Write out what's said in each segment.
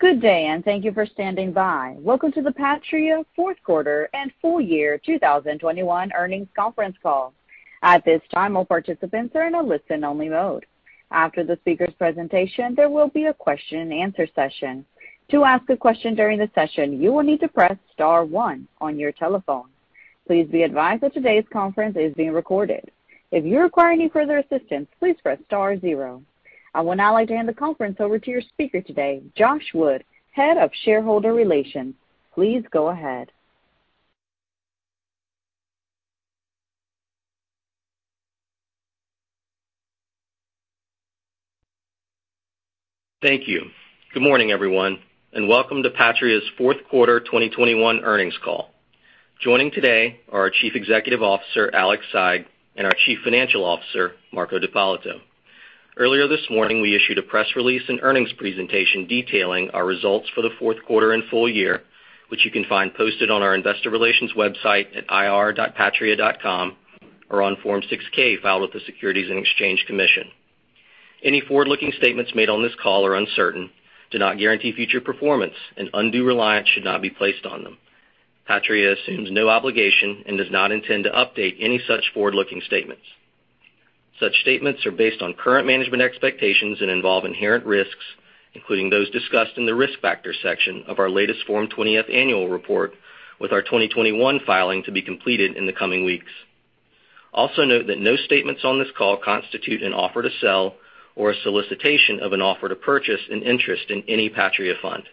Good day, and thank you for standing by. Welcome to the Patria fourth 1/4 and full year 2021 earnings conference call. At this time, all participants are in a Listen-Only Mode. After the speaker's presentation, there will be a question and answer session. To ask a question during the session, you will need to press star one on your telephone. Please be advised that today's conference is being recorded. If you require any further assistance, please press star zero. I would now like to hand the conference over to your speaker today, Josh Wood, Head of Shareholder Relations. Please go ahead. Thank you. Good morning, everyone, and welcome to Patria's fourth 1/4 2021 earnings call. Joining today are our Chief Executive Officer, Alexandre Saigh, and our Chief Financial Officer, Marco Nicola D'Ippolito. Earlier this morning, we issued a press release and earnings presentation detailing our results for the fourth 1/4 and full year, which you can find posted on our investor relations website at ir.patria.com or on Form 6-K filed with the Securities and Exchange Commission. Any Forward-Looking statements made on this call are uncertain, do not guarantee future performance, and undue reliance should not be placed on them. Patria assumes no obligation and does not intend to update any such Forward-Looking statements. Such statements are based on current management expectations and involve inherent risks, including those discussed in the Risk Factors section of our latest Form 20-F annual report with our 2021 filing to be completed in the coming weeks. Also note that no statements on this call constitute an offer to sell or a solicitation of an offer to purchase an interest in any Patria fund.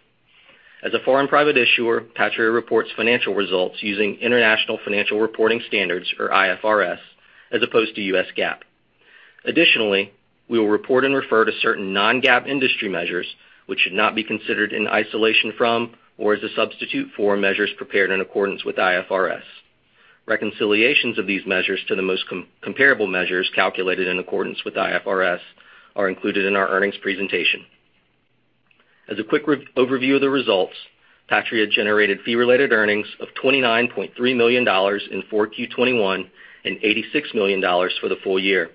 As a foreign private issuer, Patria reports financial results using international financial reporting standards or IFRS, as opposed to U.S. GAAP. Additionally, we will report and refer to certain Non-GAAP industry measures which should not be considered in isolation from or as a substitute for measures prepared in accordance with IFRS. Reconciliations of these measures to the most comparable measures calculated in accordance with IFRS are included in our earnings presentation. As a quick overview of the results, Patria generated Fee Related Earnings of $29.3 million in 4Q 2021 and $86 million for the full year.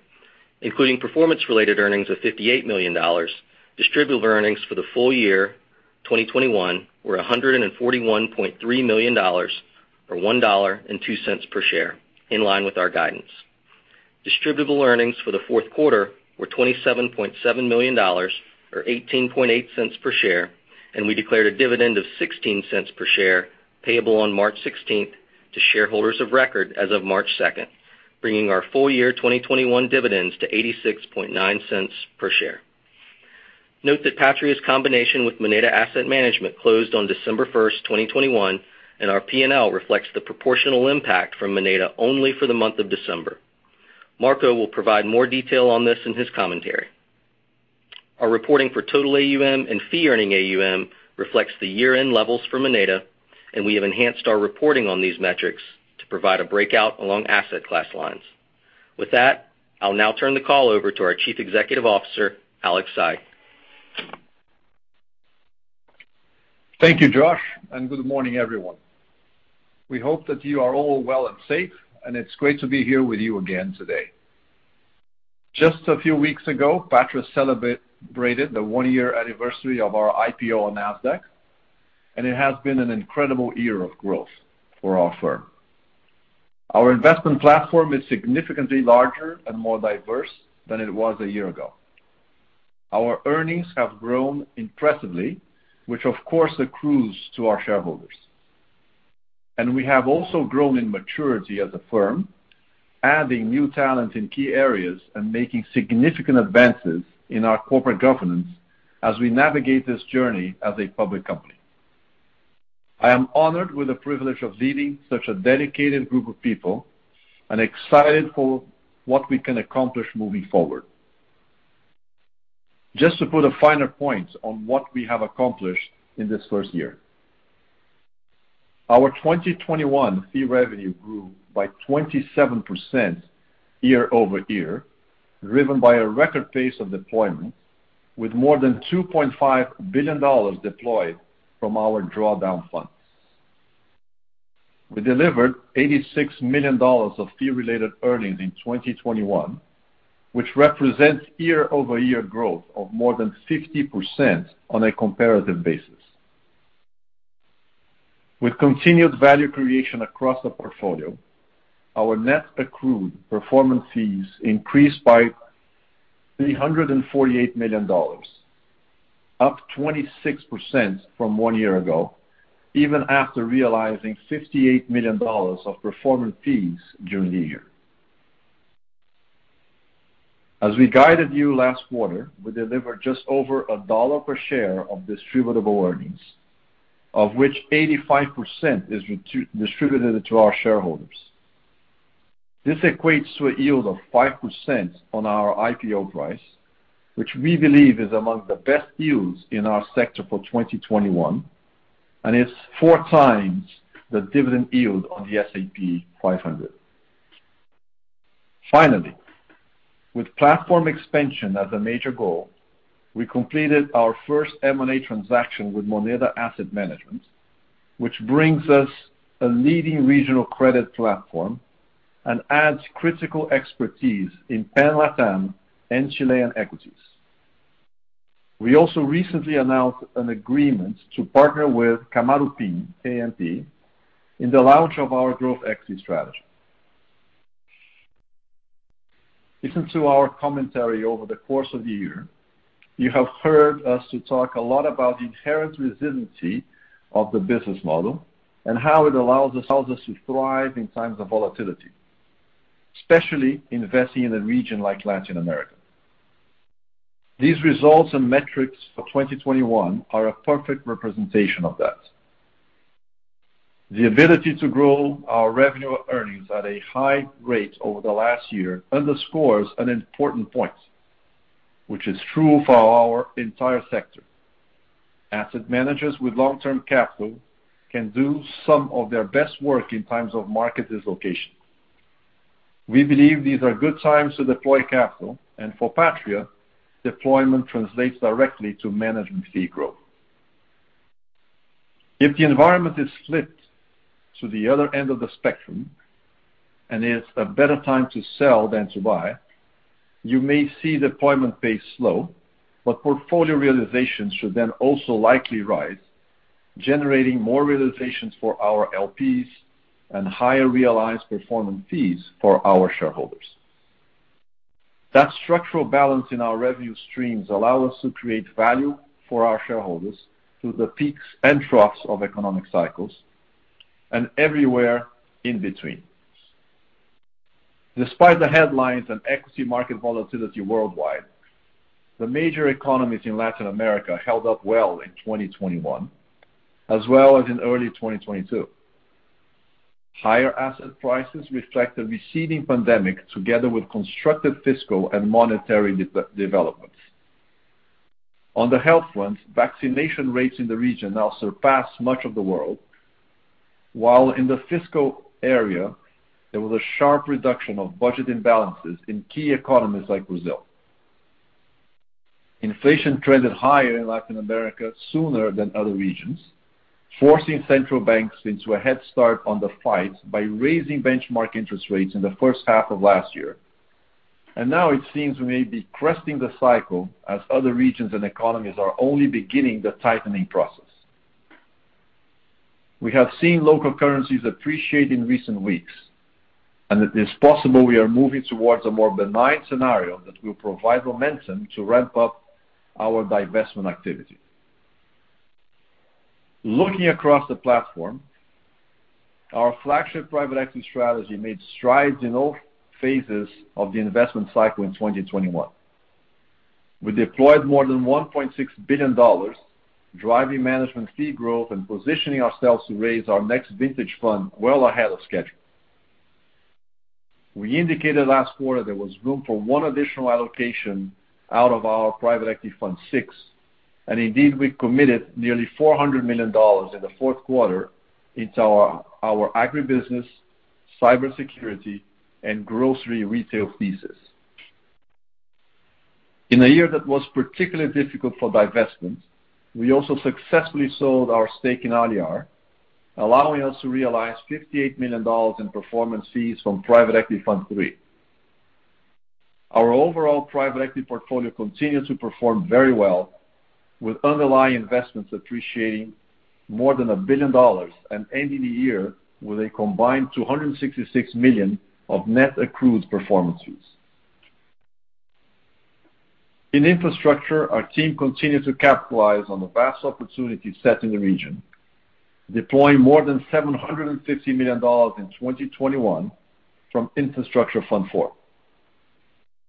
Including Performance Related Earnings of $58 million, Distributable Earnings for the full year 2021 were $141.3 million or $1.02 per share, in line with our guidance. Distributable Earnings for the fourth 1/4 were $27.7 million or 18.8 cents per share, and we declared a dividend of 16 cents per share payable on March 16 to shareholders of record as of March 2, bringing our full year 2021 dividends to 86.9 cents per share. Note that Patria's combination with Moneda Asset Management closed on December 1, 2021, and our P&L reflects the proportional impact from Moneda only for the month of December. Marco will provide more detail on this in his commentary. Our reporting for total AUM and Fee-Earning AUM reflects the Year-End levels for Moneda, and we have enhanced our reporting on these metrics to provide a breakout along asset class lines. With that, I'll now turn the call over to our Chief Executive Officer, Alexandre Saigh. Thank you, Josh, and good morning, everyone. We hope that you are all well and safe, and it's great to be here with you again today. Just a few weeks ago, Patria celebrated the One-Year anniversary of our IPO on Nasdaq, and it has been an incredible year of growth for our firm. Our investment platform is significantly larger and more diverse than it was a year ago. Our earnings have grown impressively, which of course accrues to our shareholders. We have also grown in maturity as a firm, adding new talent in key areas and making significant advances in our corporate governance as we navigate this journey as a public company. I am honored with the privilege of leading such a dedicated group of people and excited for what we can accomplish moving forward. Just to put a finer point on what we have accomplished in this first year. Our 2021 fee revenue grew by 27% Year-Over-Year, driven by a record pace of deployment with more than $2.5 billion deployed from our drawdown funds. We delivered $86 million of fee-related earnings in 2021, which represents Year-Over-Year growth of more than 50% on a comparative basis. With continued value creation across the portfolio, our net accrued performance fees increased by $348 million, up 26% from one year ago, even after realizing $58 million of performance fees during the year. As we guided you last 1/4, we delivered just over $1 per share of distributable earnings, of which 85% is distributed to our shareholders. This equates to a yield of 5% on our IPO price, which we believe is among the best yields in our sector for 2021, and it's 4 times the dividend yield on the S&P 500. Finally, with platform expansion as a major goal, we completed our first M&A transaction with Moneda Asset Management, which brings us a leading regional credit platform and adds critical expertise in Pan-LATAM and Chilean equities. We also recently announced an agreement to partner with Kamaroopin, KMP, in the launch of our growth equity strategy. Listen to our commentary over the course of the year. You have heard us talk a lot about the inherent resiliency of the business model and how it allows us to thrive in times of volatility, especially investing in a region like Latin America. These results and metrics for 2021 are a perfect representation of that. The ability to grow our revenue earnings at a high rate over the last year underscores an important point, which is true for our entire sector. Asset managers with long-term capital can do some of their best work in times of market dislocation. We believe these are good times to deploy capital, and for Patria, deployment translates directly to management fee growth. If the environment is flipped to the other end of the spectrum and it's a better time to sell than to buy, you may see deployment pace slow, but portfolio realizations should then also likely rise, generating more realizations for our LPs and higher realized performance fees for our shareholders. That structural balance in our revenue streams allow us to create value for our shareholders through the peaks and troughs of economic cycles and everywhere in between. Despite the headlines and equity market volatility worldwide, the major economies in Latin America held up well in 2021, as well as in early 2022. Higher asset prices reflect a receding pandemic together with constructive fiscal and monetary developments. On the health front, vaccination rates in the region now surpass much of the world, while in the fiscal area, there was a sharp reduction of budget imbalances in key economies like Brazil. Inflation traded higher in Latin America sooner than other regions, forcing central banks into a head start on the fight by raising benchmark interest rates in the first 1/2 of last year. Now it seems we may be cresting the cycle as other regions and economies are only beginning the tightening process. We have seen local currencies appreciate in recent weeks, and it is possible we are moving towards a more benign scenario that will provide momentum to ramp up our divestment activity. Looking across the platform, our flagship private equity strategy made strides in all phases of the investment cycle in 2021. We deployed more than $1.6 billion, driving management fee growth and positioning ourselves to raise our next vintage fund well ahead of schedule. We indicated last 1/4 there was room for one additional allocation out of our private equity fund VI, and indeed, we committed nearly $400 million in the fourth 1/4 into our agribusiness, cybersecurity, and grocery retail thesis. In a year that was particularly difficult for divestment, we also successfully sold our stake in Aliar, allowing us to realize $58 million in performance fees from Private Equity Fund III. Our overall private equity portfolio continued to perform very well, with underlying investments appreciating more than $1 billion and ending the year with a combined $266 million of net accrued performance fees. In infrastructure, our team continued to capitalize on the vast opportunity set in the region, deploying more than $750 million in 2021 from Infrastructure Fund IV.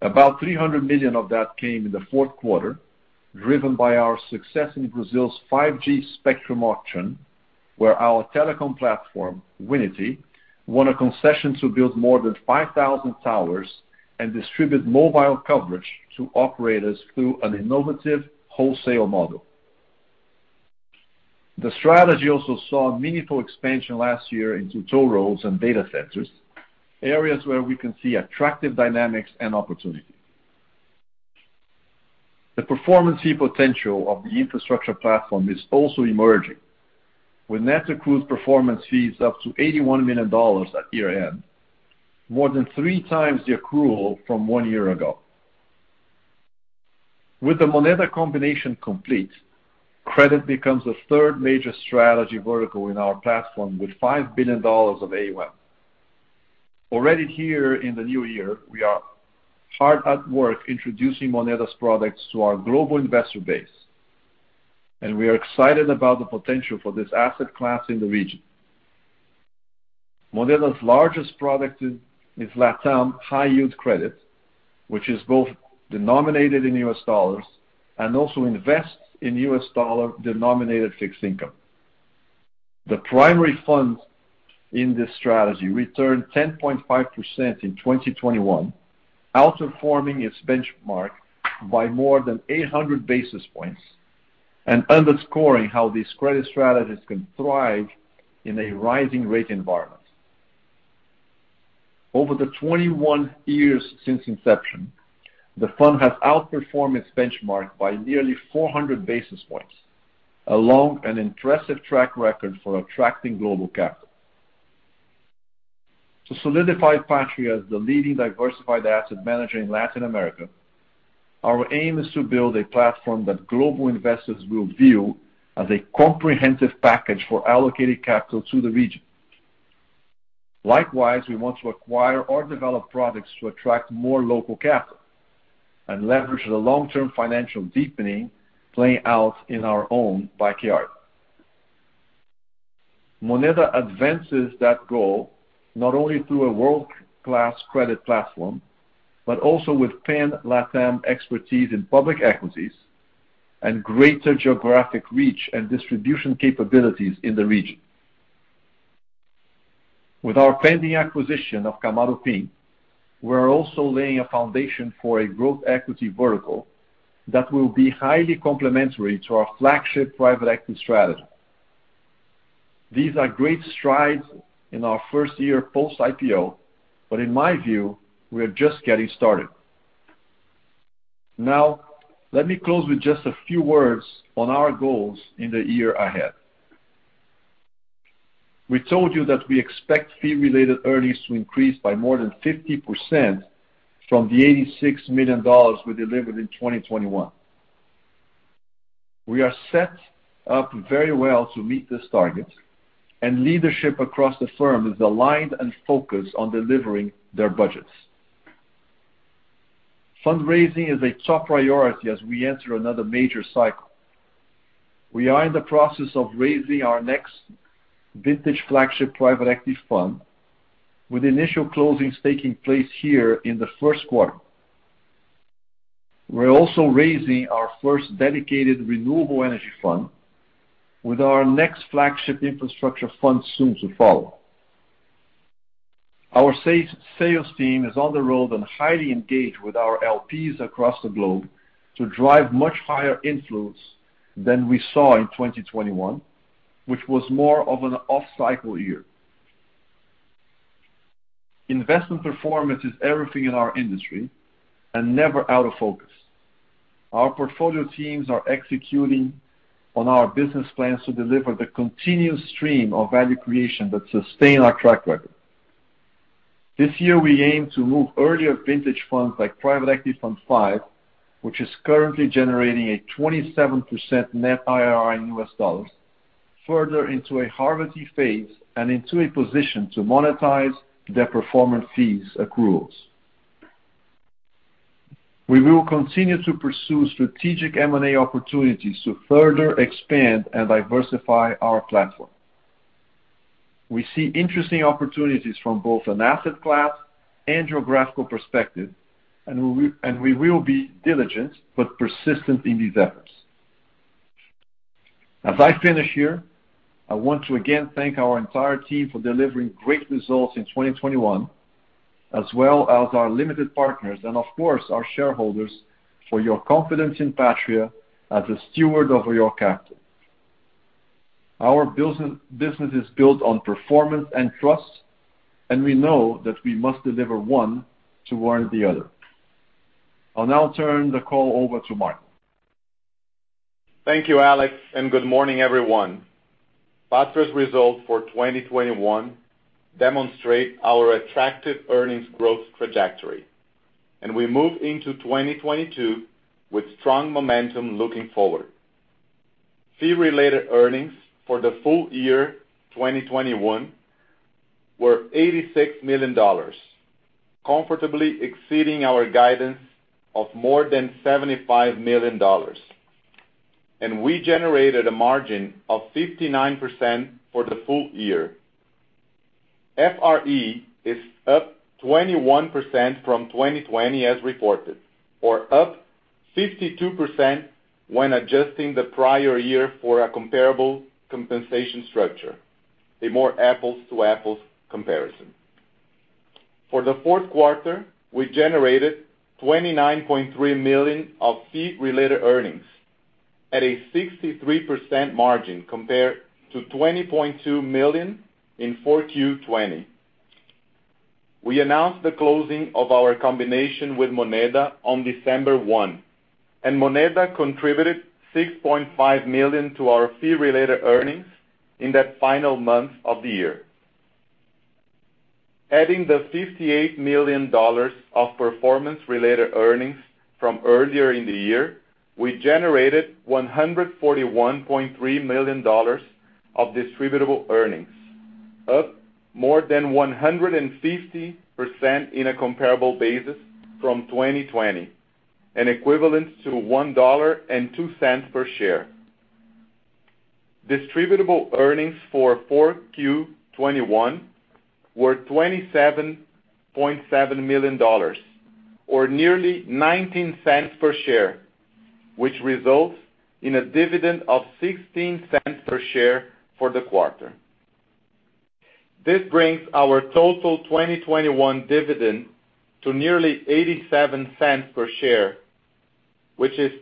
About $300 million of that came in the fourth 1/4, driven by our success in Brazil's 5G spectrum auction, where our telecom platform, Winity, won a concession to build more than 5,000 towers and distribute mobile coverage to operators through an innovative wholesale model. The strategy also saw meaningful expansion last year into toll roads and data centers, areas where we can see attractive dynamics and opportunity. The performance fee potential of the infrastructure platform is also emerging, with net accrued performance fees up to $81 million at Year-End, more than 3 times the accrual from one year ago. With the Moneda combination complete, credit becomes the 1/3 major strategy vertical in our platform with $5 billion of AUM. Already here in the new year, we are hard at work introducing Moneda's products to our global investor base, and we are excited about the potential for this asset class in the region. Moneda's largest product is LATAM high yield credit, which is both denominated in U.S. dollars and also invests in U.S. dollar-denominated fixed income. The primary fund in this strategy returned 10.5% in 2021, outperforming its benchmark by more than 800 basis points and underscoring how these credit strategies can thrive in a rising rate environment. Over the 21 years since inception. The fund has outperformed its benchmark by nearly 400 basis points, along an impressive track record for attracting global capital. To solidify Patria as the leading diversified asset manager in Latin America, our aim is to build a platform that global investors will view as a comprehensive package for allocating capital to the region. Likewise, we want to acquire or develop products to attract more local capital and leverage the long-term financial deepening playing out in our own backyard. Moneda advances that goal not only through a world-class credit platform, but also with Pan-LATAM expertise in public equities and greater geographic reach and distribution capabilities in the region. With our pending acquisition of Kamaroopin, we're also laying a foundation for a growth equity vertical that will be highly complementary to our flagship private equity strategy. These are great strides in our first year post-IPO, but in my view, we are just getting started. Now, let me close with just a few words on our goals in the year ahead. We told you that we expect Fee-Related Earnings to increase by more than 50% from the $86 million we delivered in 2021. We are set up very well to meet this target, and leadership across the firm is aligned and focused on delivering their budgets. Fundraising is a top priority as we enter another major cycle. We are in the process of raising our next vintage flagship private equity fund, with initial closings taking place here in the first 1/4. We're also raising our first dedicated renewable energy fund, with our next flagship infrastructure fund soon to follow. Our sales team is on the road and highly engaged with our LPs across the globe to drive much higher inflows than we saw in 2021, which was more of an off-cycle year. Investment performance is everything in our industry and never out of focus. Our portfolio teams are executing on our business plans to deliver the continuous stream of value creation that sustain our track record. This year, we aim to move earlier vintage funds like Private Equity Fund V, which is currently generating a 27% net IRR in U.S. dollars, further into a harvesting phase and into a position to monetize their performance fees accruals. We will continue to pursue strategic M&A opportunities to further expand and diversify our platform. We see interesting opportunities from both an asset class and geographical perspective, and we will be diligent but persistent in these efforts. As I finish here, I want to again thank our entire team for delivering great results in 2021, as well as our limited partners and of course, our shareholders for your confidence in Patria as a steward of your capital. Our business is built on performance and trust, and we know that we must deliver one to warrant the other. I'll now turn the call over to Marco. Thank you, Alexandre, and good morning, everyone. Patria's results for 2021 demonstrate our attractive earnings growth trajectory, and we move into 2022 with strong momentum looking forward. Fee-related earnings for the full year 2021 were $86 million, comfortably exceeding our guidance of more than $75 million. We generated a margin of 59% for the full year. FRE is up 21% from 2020 as reported, or up 52% when adjusting the prior year for a comparable compensation structure, a more apples to apples comparison. For the fourth 1/4, we generated $29.3 million of fee-related earnings at a 63% margin compared to $20.2 million in 4Q 2020. We announced the closing of our combination with Moneda on December 1, and Moneda contributed $6.5 million to our fee-related earnings in that final month of the year. Adding the $58 million of performance-related earnings from earlier in the year, we generated $141.3 million of distributable earnings, up more than 150% in a comparable basis from 2020 and equivalent to $1.02 per share. Distributable earnings for 4Q 2021 were $27.7 million or nearly $0.19 per share, which results in a dividend of $0.16 per share for the 1/4. This brings our total 2021 dividend to nearly $0.87 per share, which is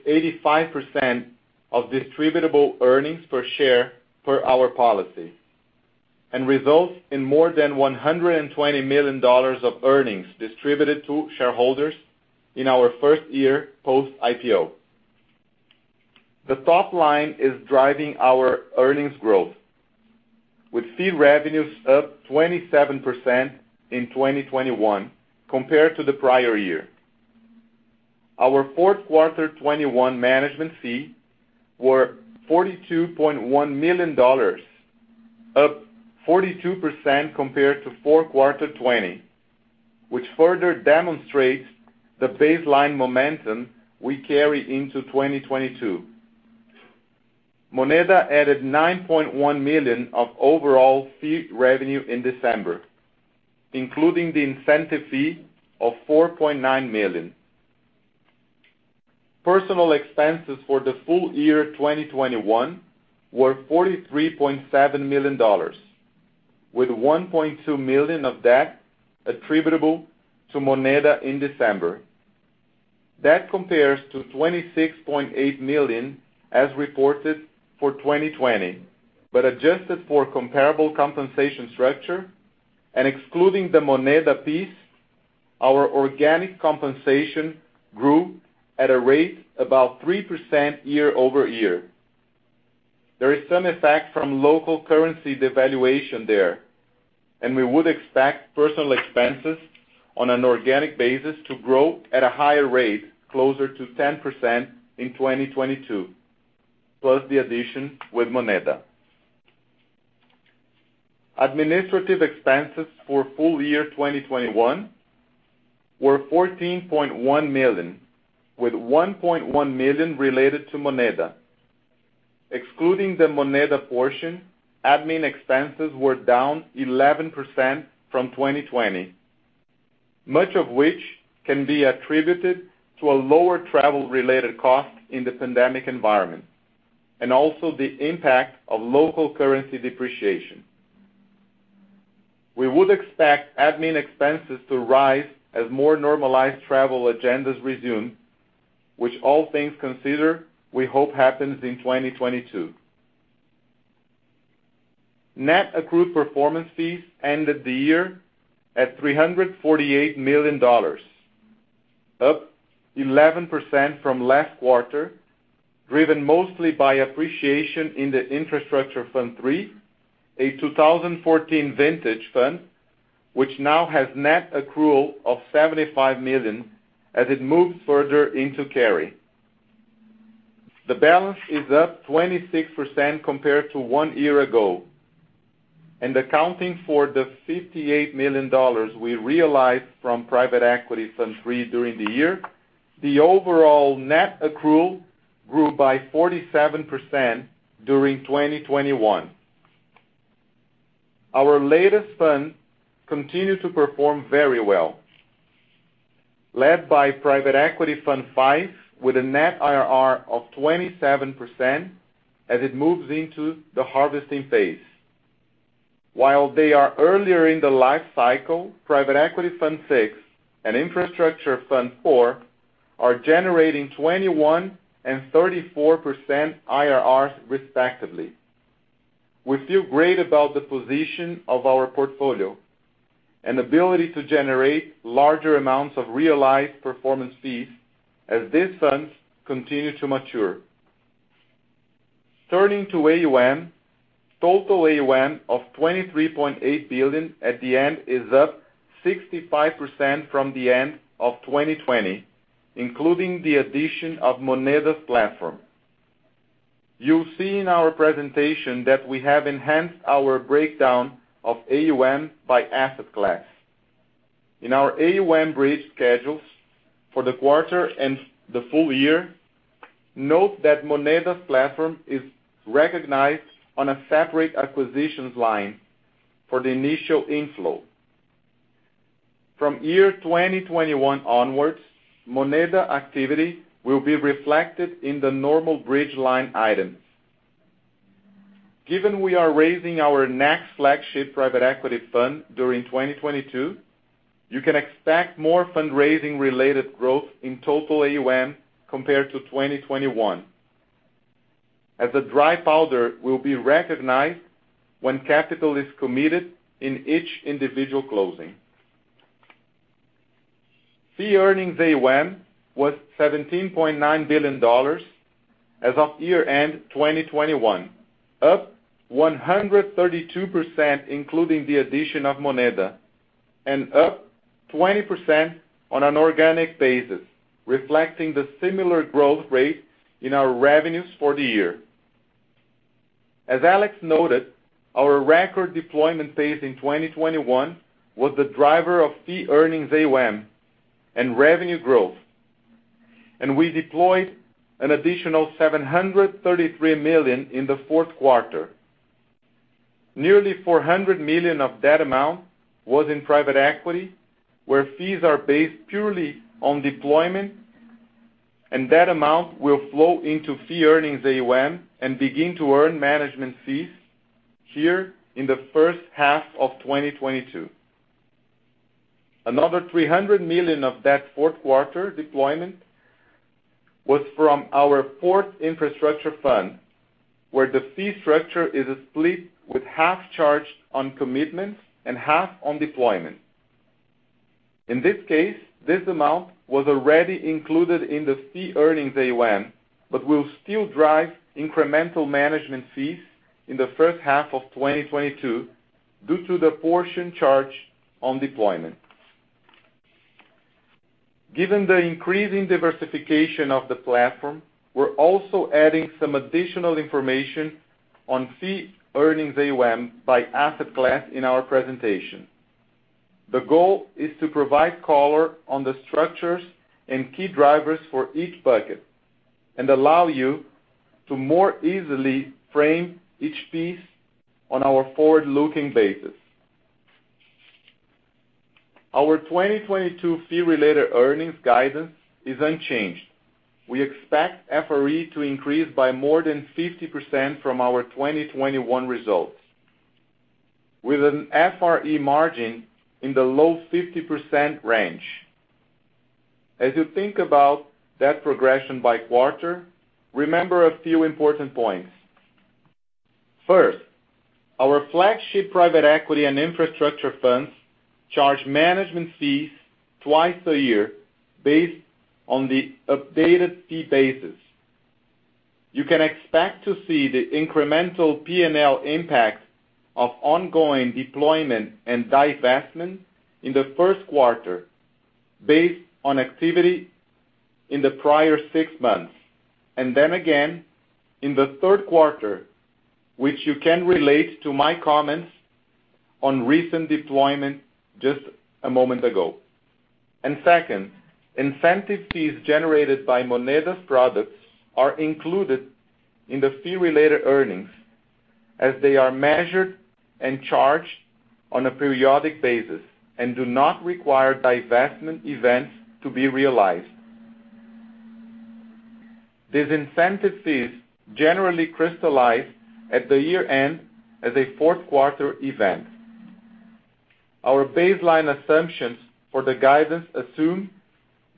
85% of distributable earnings per share per our policy and results in more than $120 million of earnings distributed to shareholders in our first year post-IPO. The top line is driving our earnings growth with fee revenues up 27% in 2021 compared to the prior year. Our fourth 1/4 2021 management fee were $42.1 million, up 42% compared to fourth 1/4 2020, which further demonstrates the baseline momentum we carry into 2022. Moneda added $9.1 million of overall fee revenue in December, including the incentive fee of $4.9 million. Personnel expenses for the full year 2021 were $43.7 million, with $1.2 million of that attributable to Moneda in December. That compares to $26.8 million as reported for 2020. Adjusted for comparable compensation structure and excluding the Moneda piece, our organic compensation grew at a rate about 3% Year-Over-Year. There is some effect from local currency devaluation there, and we would expect personnel expenses on an organic basis to grow at a higher rate closer to 10% in 2022, plus the addition with Moneda. Administrative expenses for full year 2021 were $14.1 million, with $1.1 million related to Moneda. Excluding the Moneda portion, admin expenses were down 11% from 2020, much of which can be attributed to a lower Travel-Related cost in the pandemic environment, and also the impact of local currency depreciation. We would expect admin expenses to rise as more normalized travel agendas resume, which all things considered, we hope happens in 2022. Net accrued performance fees ended the year at $348 million, up 11% from last 1/4, driven mostly by appreciation in the Infrastructure Fund III, a 2014 vintage fund, which now has net accrual of $75 million as it moves further into carry. The balance is up 26% compared to one year ago, and accounting for the $58 million we realized from Private Equity Fund III during the year, the overall net accrual grew by 47% during 2021. Our latest fund continued to perform very well, led by Private Equity Fund V, with a net IRR of 27% as it moves into the harvesting phase. While they are earlier in the life cycle, Private Equity Fund VI and Infrastructure Fund IV are generating 21% and 34% IRRs, respectively. We feel great about the position of our portfolio and ability to generate larger amounts of realized performance fees as these funds continue to mature. Turning to AUM. Total AUM of $23.8 billion at the end is up 65% from the end of 2020, including the addition of Moneda's platform. You'll see in our presentation that we have enhanced our breakdown of AUM by asset class. In our AUM bridge schedules for the 1/4 and the full year, note that Moneda's platform is recognized on a separate acquisitions line for the initial inflow. From year 2021 onwards, Moneda activity will be reflected in the normal bridge line items. Given we are raising our next flagship private equity fund during 2022, you can expect more fundraising-related growth in total AUM compared to 2021, as the dry powder will be recognized when capital is committed in each individual closing. Fee-Earning AUM was $17.9 billion as of Year-End 2021, up 132%, including the addition of Moneda, and up 20% on an organic basis, reflecting the similar growth rate in our revenues for the year. As Alexandre noted, our record deployment pace in 2021 was the driver of Fee-Earning AUM and revenue growth, and we deployed an additional $733 million in the fourth 1/4. Nearly $400 million of that amount was in private equity, where fees are based purely on deployment, and that amount will flow into Fee-Earning AUM and begin to earn management fees here in the first 1/2 of 2022. Another $300 million of that fourth 1/4 deployment was from our Infrastructure Fund IV, where the fee structure is split with 1/2 charged on commitments and 1/2 on deployment. In this case, this amount was already included in the Fee-Earning AUM, but will still drive incremental management fees in the first 1/2 of 2022 due to the portion charged on deployment. Given the increasing diversification of the platform, we're also adding some additional information on Fee-Earning AUM by asset class in our presentation. The goal is to provide color on the structures and key drivers for each bucket and allow you to more easily frame each piece on our Forward-Looking basis. Our 2022 fee-related earnings guidance is unchanged. We expect FRE to increase by more than 50% from our 2021 results, with an FRE margin in the low 50% range. As you think about that progression by 1/4, remember a few important points. First, our flagship private equity and infrastructure funds charge management fees twice a year based on the updated fee basis. You can expect to see the incremental P&L impact of ongoing deployment and divestment in the first 1/4 based on activity in the prior 6 months, and then again in the 1/3 1/4, which you can relate to my comments on recent deployment just a moment ago. Second, incentive fees generated by Moneda's products are included in the fee-related earnings as they are measured and charged on a periodic basis and do not require divestment events to be realized. These incentive fees generally crystallize at the Year-End as a fourth 1/4 event. Our baseline assumptions for the guidance assume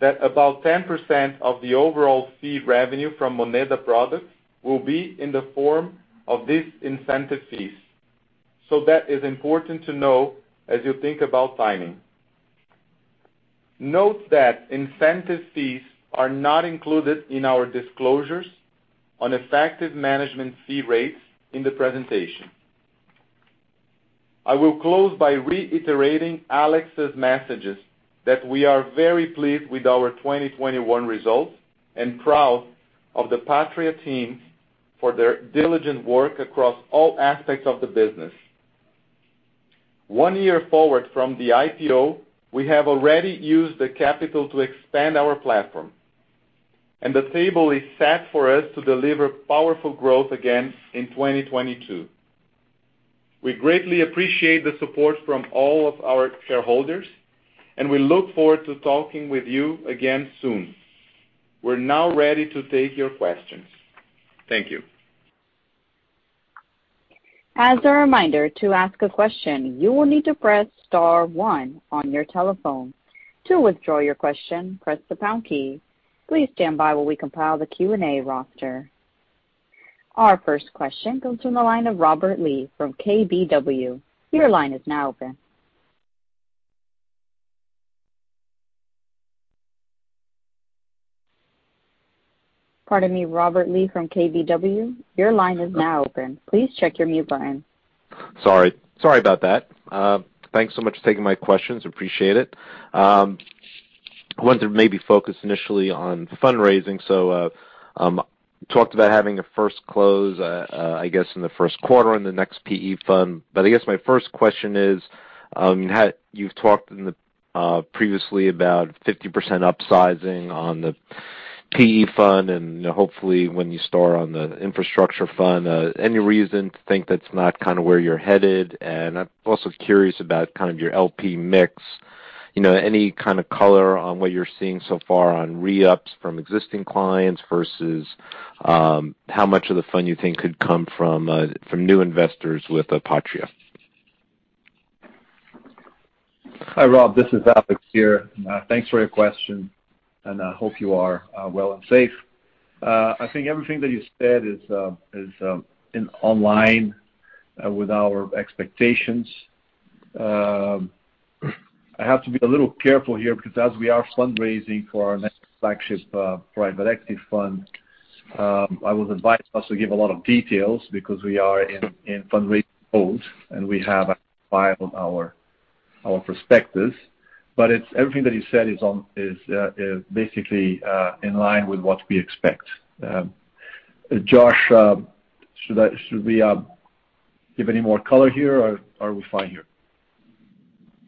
that about 10% of the overall fee revenue from Moneda products will be in the form of these incentive fees. That is important to know as you think about timing. Note that incentive fees are not included in our disclosures on effective management fee rates in the presentation. I will close by reiterating Alexandre's messages that we are very pleased with our 2021 results and proud of the Patria team for their diligent work across all aspects of the business. One year forward from the IPO, we have already used the capital to expand our platform, and the table is set for us to deliver powerful growth again in 2022. We greatly appreciate the support from all of our shareholders, and we look forward to talking with you again soon. We're now ready to take your questions. Thank you. As a reminder, to ask a question, you will need to press star one on your telephone. To withdraw your question, press the pound key. Please stand by while we compile the Q&A roster. Our first question comes from the line of Robert Lee from KBW. Your line is now open. Pardon me, Robert Lee from KBW, your line is now open. Please check your mute button. Sorry about that. Thanks so much for taking my questions, appreciate it. I wanted to maybe focus initially on fundraising. You talked about having a first close, I guess in the first 1/4 on the next Private Equity fund. I guess my first question is, how you've talked previously about 50% upsizing on the Private Equity fund and hopefully when you start on the infrastructure fund. Any reason to think that's not kinda where you're headed? I'm also curious about kind of your LP mix. You know, any kind of color on what you're seeing so far on re-ups from existing clients versus, how much of the fund you think could come from new investors with Patria? Hi, Robert. This is Alexandre here. Thanks for your question, and I hope you are well and safe. I think everything that you said is in line with our expectations. I have to be a little careful here because as we are fundraising for our next flagship private equity fund, I was advised not to give a lot of details because we are in fundraising mode, and we have to file our prospectus. It's everything that you said is basically in line with what we expect. Josh, should we give any more color here, or are we fine here?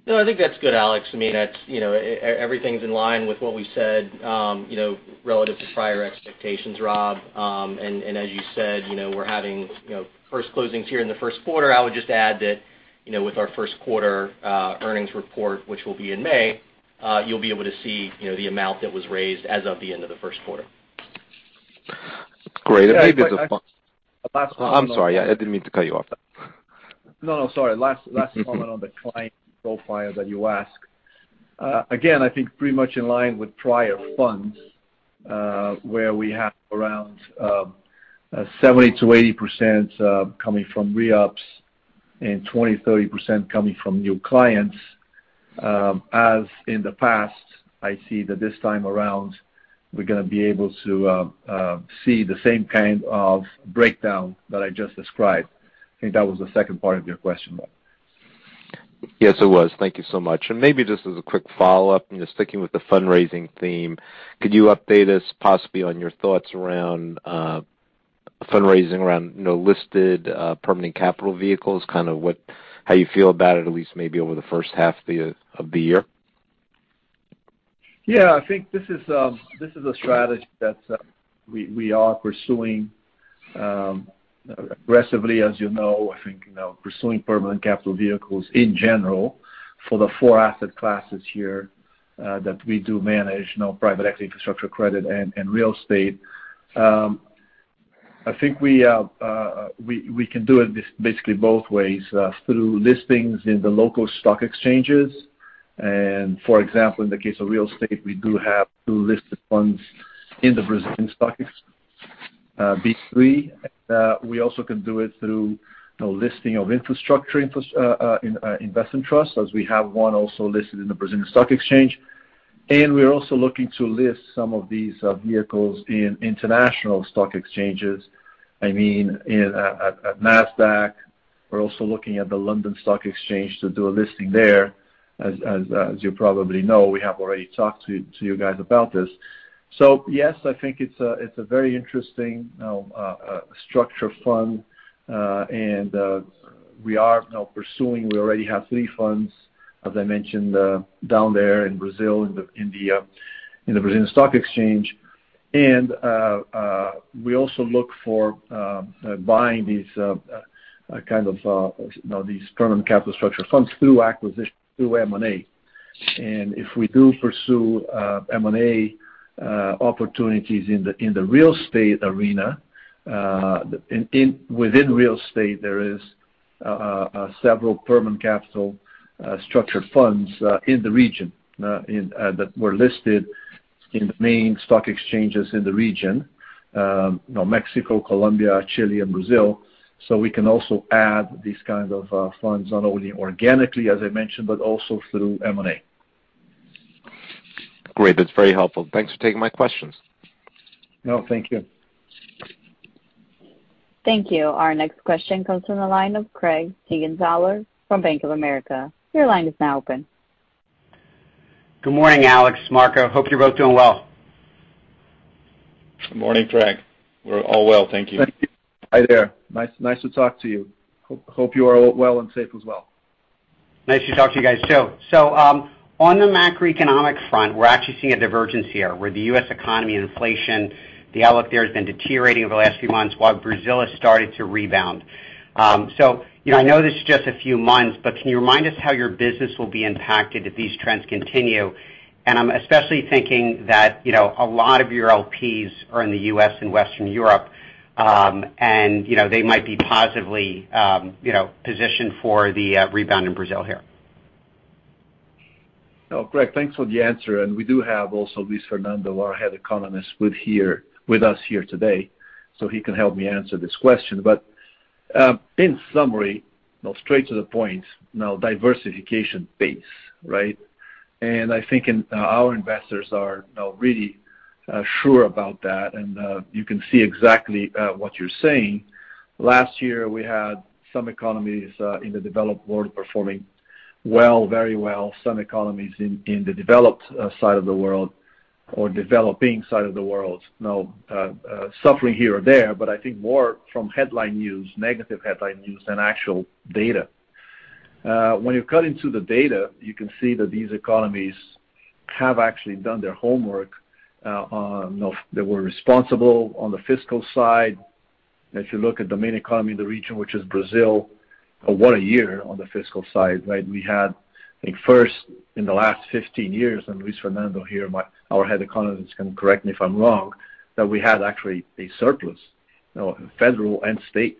No, I think that's good, Alexandre. I mean, that's, you know, everything's in line with what we said, you know, relative to prior expectations, Robert. And as you said, you know, we're having, you know, first closings here in the first 1/4. I would just add that, you know, with our first 1/4 earnings report, which will be in May, you'll be able to see, you know, the amount that was raised as of the end of the first 1/4. Great. Maybe just a last Last one. I'm sorry. I didn't mean to cut you off there. No, no. Sorry. Last comment on the client profile that you ask. Again, I think pretty much in line with prior funds, where we have around 70%-80% coming from re-ups and 20%-30% coming from new clients. As in the past, I see that this time around, we're gonna be able to see the same kind of breakdown that I just described. I think that was the second part of your question. Yes, it was. Thank you so much. Maybe just as a quick Follow-Up, you know, sticking with the fundraising theme, could you update us possibly on your thoughts around fundraising around, you know, listed permanent capital vehicles, how you feel about it, at least maybe over the first 1/2 of the year? Yeah. I think this is a strategy that we are pursuing aggressively, as you know. I think, you know, pursuing permanent capital vehicles in general for the 4 asset classes here that we do manage, you know, private equity, infrastructure credit, and real estate. I think we can do it basically both ways through listings in the local stock exchanges. For example, in the case of real estate, we do have 2 listed funds in the Brazilian stock B3. We also can do it through, you know, listing of infrastructure investment trust, as we have one also listed in the Brazilian Stock Exchange. We're also looking to list some of these vehicles in international stock exchanges. I mean, at Nasdaq. We're also looking at the London Stock Exchange to do a listing there. As you probably know, we have already talked to you guys about this. Yes, I think it's a very interesting, you know, structured fund. We are now pursuing. We already have 3 funds, as I mentioned, down there in Brazil, in the Brazilian Stock Exchange. We also look for buying these kind of, you know, these permanent capital structured funds through acquisition, through M&A. If we do pursue M&A opportunities in the real estate arena. Within real estate, there is several permanent capital structure funds in the region that were listed in the main stock exchanges in the region, you know, Mexico, Colombia, Chile and Brazil. We can also add these kinds of funds not only organically, as I mentioned, but also through M&A. Great. That's very helpful. Thanks for taking my questions. No, thank you. Thank you. Our next question comes from the line of Craig Siegenthaler from Bank of America. Your line is now open. Good morning, Alexandre, Marco. Hope you're both doing well. Good morning, Craig. We're all well, thank you. Thank you. Hi there. Nice to talk to you. Hope you are all well and safe as well. Nice to talk to you guys too. On the macroeconomic front, we're actually seeing a divergence here where the U.S. economy and inflation, the outlook there has been deteriorating over the last few months while Brazil has started to rebound. You know, I know this is just a few months, but can you remind us how your business will be impacted if these trends continue? I'm especially thinking that, you know, a lot of your LPs are in the U.S. and Western Europe, and you know, they might be positively, you know, positioned for the rebound in Brazil here. Oh, Craig, thanks for the answer. We do have also Luis Fernando Lopes, our head economist with us here today, so he can help me answer this question. In summary, you know, straight to the point, you know, diversification base, right? I think our investors are now really sure about that. You can see exactly what you're saying. Last year we had some economies in the developed world performing well, very well. Some economies in the developed side of the world or developing side of the world, you know, suffering here or there, but I think more from headline news, negative headline news than actual data. When you cut into the data, you can see that these economies have actually done their homework. You know, they were responsible on the fiscal side. If you look at the main economy in the region, which is Brazil, what a year on the fiscal side, right? We had, I think, first in the last 15 years, and Luis Fernando Lopes here, our head economist, can correct me if I'm wrong, that we had actually a surplus, you know, federal and state.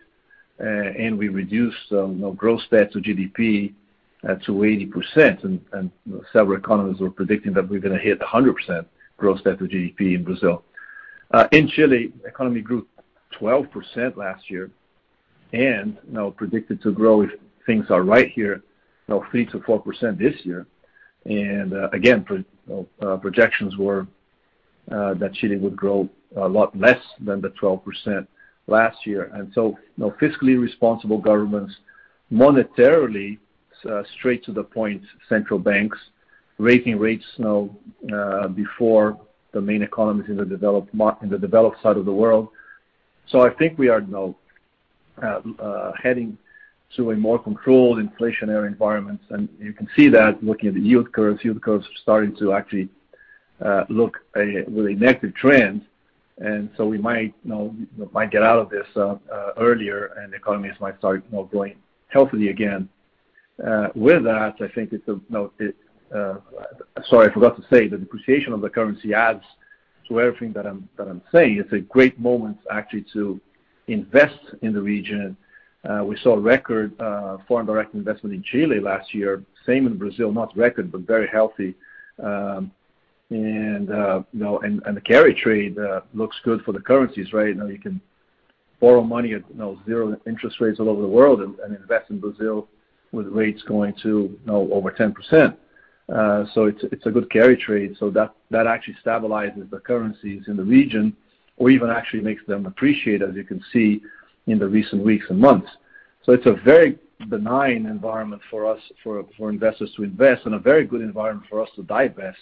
We reduced gross debt to GDP to 80%. Several economists were predicting that we're gonna hit 100% gross debt to GDP in Brazil. In Chile, economy grew 12% last year and, you know, predicted to grow, if things are right here, you know, 3%-4% this year. Again, projections were that Chile would grow a lot less than the 12% last year. Fiscally responsible governments, monetarily straight to the point, central banks raising rates, you know, before the main economies in the developed side of the world. I think we are, you know, heading to a more controlled inflationary environment. You can see that looking at the yield curves. Yield curves are starting to actually look with a negative trend. We might, you know, might get out of this earlier, and economies might start, you know, growing healthily again. With that, I think. Sorry, I forgot to say the depreciation of the currency adds to everything that I'm saying. It's a great moment actually to invest in the region. We saw record foreign direct investment in Chile last year. Same in Brazil, not record, but very healthy. You know, the carry trade looks good for the currencies right now. You can borrow money at, you know, 0% interest rates all over the world and invest in Brazil with rates going to, you know, over 10%. It's a good carry trade. That actually stabilizes the currencies in the region or even actually makes them appreciate, as you can see in the recent weeks and months. It's a very benign environment for us, for investors to invest, and a very good environment for us to divest.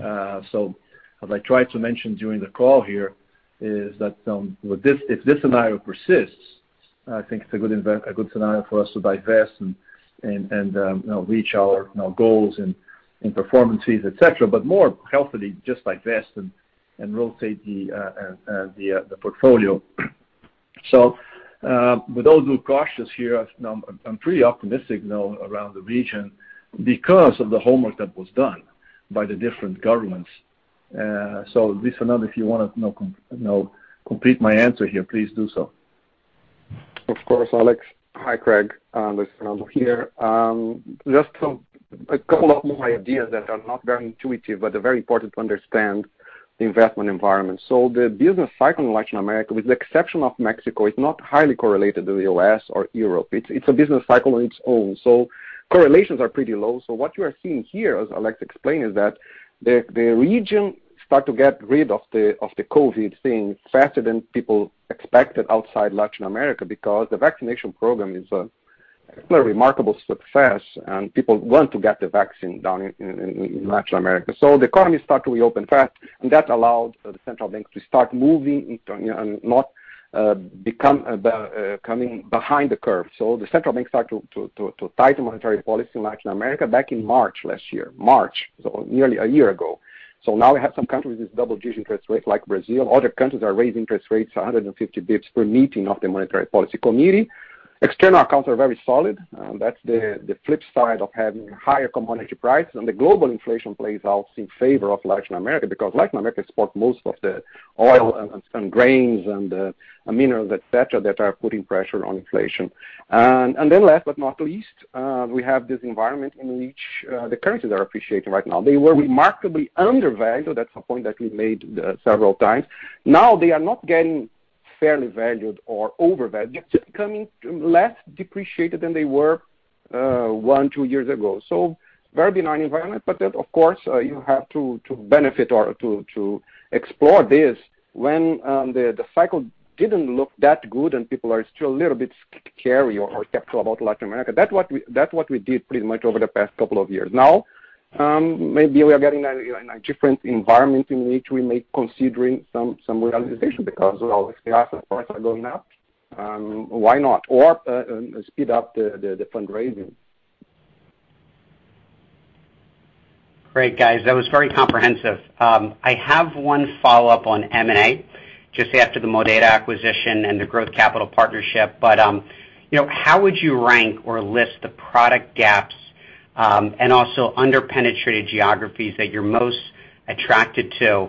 As I tried to mention during the call here, is that with this, if this scenario persists, I think it's a good scenario for us to divest and you know, reach our you know, goals and performances, et cetera. More healthily, just divest and rotate the portfolio. With all due caution here, I'm pretty optimistic now around the region because of the homework that was done by the different governments. Luis Fernando lopes, if you wanna you know, complete my answer here, please do so. Of course, Alexandre. Hi, Craig. Luis Fernando Lopes here. A couple of more ideas that are not very intuitive, but they're very important to understand the investment environment. The business cycle in Latin America, with the exception of Mexico, is not highly correlated to the U.S. or Europe. It's a business cycle on its own, so correlations are pretty low. What you are seeing here, as Alexandre explained, is that the region start to get rid of the COVID thing faster than people expected outside Latin America because the vaccination program is a remarkable success, and people want to get the vaccine done in Latin America. The economy start to reopen fast, and that allowed the central bank to start moving and, you know, not coming behind the curve. The central bank start to tighten monetary policy in Latin America back in March last year. March. Nearly a year ago. Now we have some countries with double-digit interest rates like Brazil. Other countries are raising interest rates 150 basis points per meeting of the Monetary Policy Committee. External accounts are very solid. That's the flip side of having higher commodity prices. The global inflation plays out in favor of Latin America because Latin America export most of the oil and some grains and minerals, et cetera, that are putting pressure on inflation. Then last but not least, we have this environment in which the currencies are appreciating right now. They were remarkably undervalued. That's a point that we made several times. Now they are not getting fairly valued or overvalued. They're becoming less depreciated than they were 1-2 years ago. Very benign environment. Of course, you have to benefit or to explore this when the cycle didn't look that good and people are still a little bit scared or skeptical about Latin America. That's what we did pretty much over the past couple of years. Now, maybe we are getting in a different environment in which we may be considering some realization because, well, the asset prices are going up. Why not? Or speed up the fundraising. Great, guys. That was very comprehensive. I have one Follow-Up on M&A, just after the Moneda acquisition and the growth capital partnership. You know, how would you rank or list the product gaps, and also under-penetrated geographies that you're most attracted to?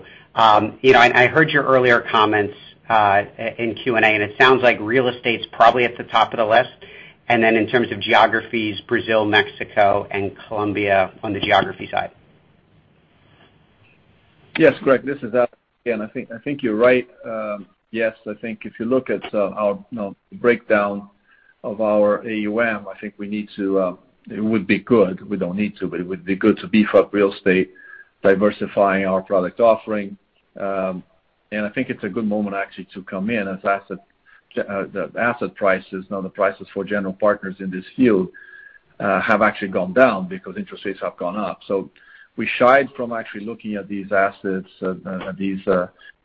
You know, I heard your earlier comments in Q&A, and it sounds like real estate's probably at the top of the list. In terms of geographies, Brazil, Mexico, and Colombia on the geography side. Yes, Craig, this is Alexandre again. I think you're right. Yes, I think if you look at our breakdown of our AUM, I think we need to. It would be good. We don't need to, but it would be good to beef up real estate, diversifying our product offering. I think it's a good moment actually to come in, as the asset prices, you know, the prices for general partners in this field have actually gone down because interest rates have gone up. We shied from actually looking at these assets, these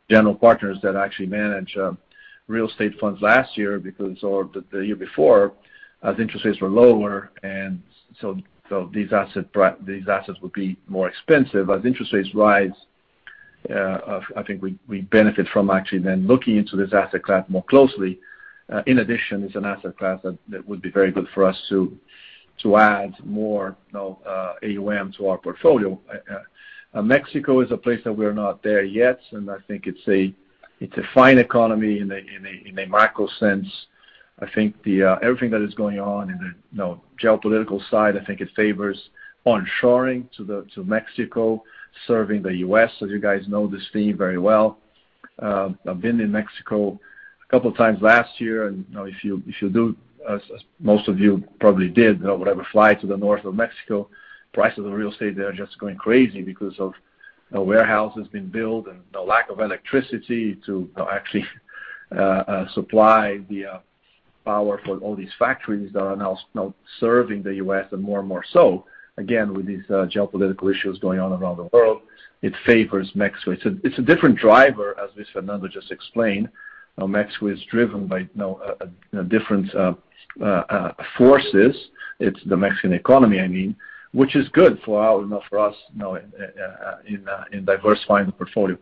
general partners that actually manage real estate funds last year because, or the year before, as interest rates were lower. These assets would be more expensive. As interest rates rise, I think we benefit from actually then looking into this asset class more closely. In addition, it's an asset class that would be very good for us to add more, you know, AUM to our portfolio. Mexico is a place that we're not there yet, and I think it's a fine economy in a macro sense. I think everything that is going on in the, you know, geopolitical side, I think it favors onshoring to Mexico, serving the U.S., as you guys know this theme very well. I've been in Mexico a couple times last year and, you know, if you do as most of you probably did, you know, whatever flight to the north of Mexico, prices of real estate there are just going crazy because of, you know, warehouses being built and the lack of electricity to actually supply the power for all these factories that are now serving the U.S. and more and more so. Again, with these geopolitical issues going on around the world, it favors Mexico. It's a different driver, as Luis Fernando Lopes just explained. You know, Mexico is driven by, you know, different forces. It's the Mexican economy, I mean, which is good for our, you know, for us, you know, in diversifying the portfolio.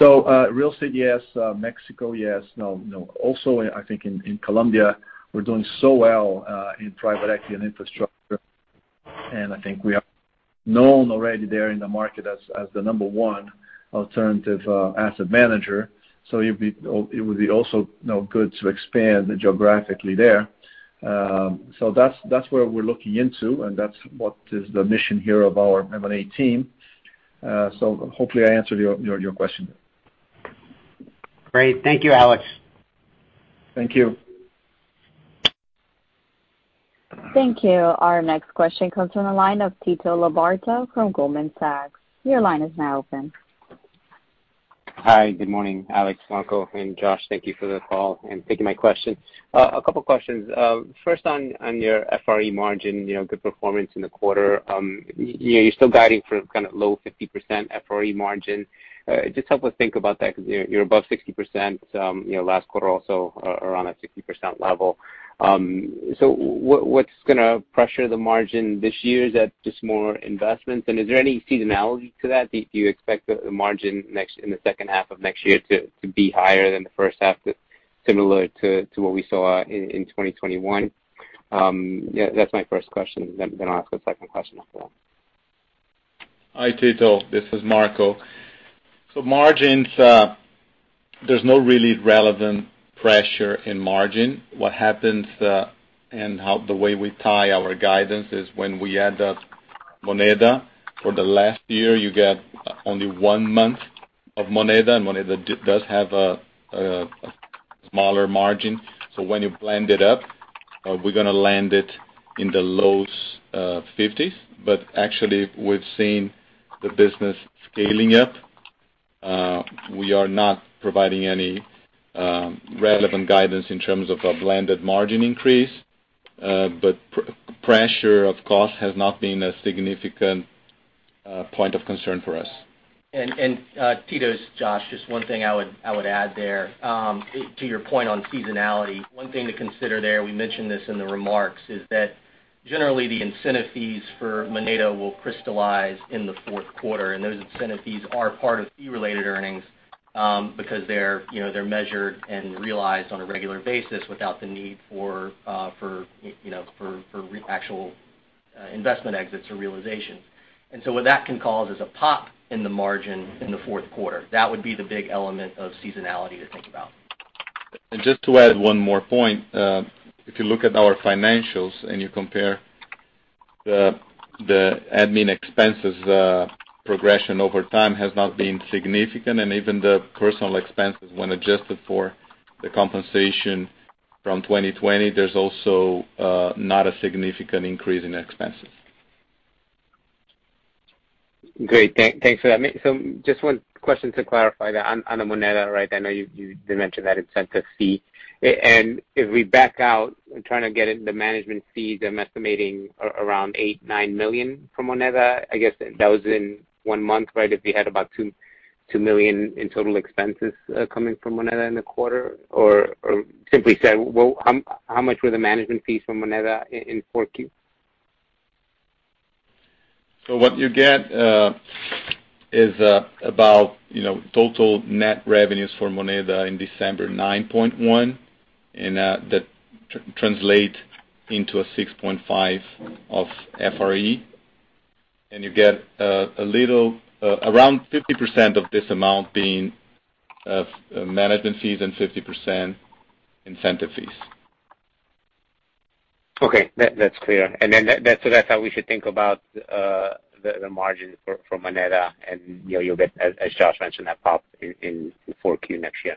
Real estate, yes. Mexico, yes. No, no. Also, I think in Colombia, we're doing so well in private equity and infrastructure, and I think we are known already there in the market as the number one alternative asset manager. It would be also, you know, good to expand geographically there. That's where we're looking into, and that's what is the mission here of our M&A team. Hopefully I answered your question. Great. Thank you, Alexandre. Thank you. Thank you. Our next question comes from the line of Tito Labarta from Goldman Sachs. Your line is now open. Hi, good morning, Alexandre, Marco, and Josh. Thank you for the call and taking my question. A couple questions. First on your FRE margin, you know, good performance in the 1/4. You're still guiding for kind of low 50% FRE margin. Just help us think about that 'cause you're above 60%. You know, last 1/4 also around that 60% level. So what's gonna pressure the margin this year? Is that just more investments? Is there any seasonality to that? Do you expect the margin next in the second 1/2 of next year to be higher than the first 1/2, similar to what we saw in 2021? That's my first question. I'll ask a second question after that. Hi, Tito. This is Marco. Margins, there's no really relevant pressure in margin. What happens and how the way we tie our guidance is when we add up Moneda for the last year, you get only one month of Moneda, and Moneda does have a smaller margin. When you blend it up, we're gonna land it in the low fifties. Actually, we've seen the business scaling up. We are not providing any relevant guidance in terms of a blended margin increase. Pressure of cost has not been a significant point of concern for us. Tito, it's Josh. Just one thing I would add there. To your point on seasonality, one thing to consider there, we mentioned this in the remarks, is that generally the incentive fees for Moneda will crystallize in the fourth 1/4, and those incentive fees are part of fee-related earnings, because they're, you know, they're measured and realized on a regular basis without the need for, you know, actual investment exits or realizations. What that can cause is a pop in the margin in the fourth 1/4. That would be the big element of seasonality to think about. Just to add one more point, if you look at our financials and you compare the admin expenses progression over time has not been significant. Even the personnel expenses when adjusted for the compensation from 2020, there's also not a significant increase in expenses. Great. Thanks for that. Just one question to clarify that on the Moneda, right? I know you did mention that incentive fee. If we back out and trying to get into management fees, I'm estimating around $8-9 million from Moneda. I guess that was in one month, right? If we had about $2 million in total expenses coming from Moneda in the 1/4. Simply said, well, how much were the management fees from Moneda in Q4? What you get is about, you know, total net revenues for Moneda in December, $9.1, and that translates into $6.5 of FRE. You get a little around 50% of this amount being management fees and 50% incentive fees. Okay. That's clear. That's how we should think about the margin for Moneda, you know, you'll get, as Josh mentioned, that pop in 4Q next year.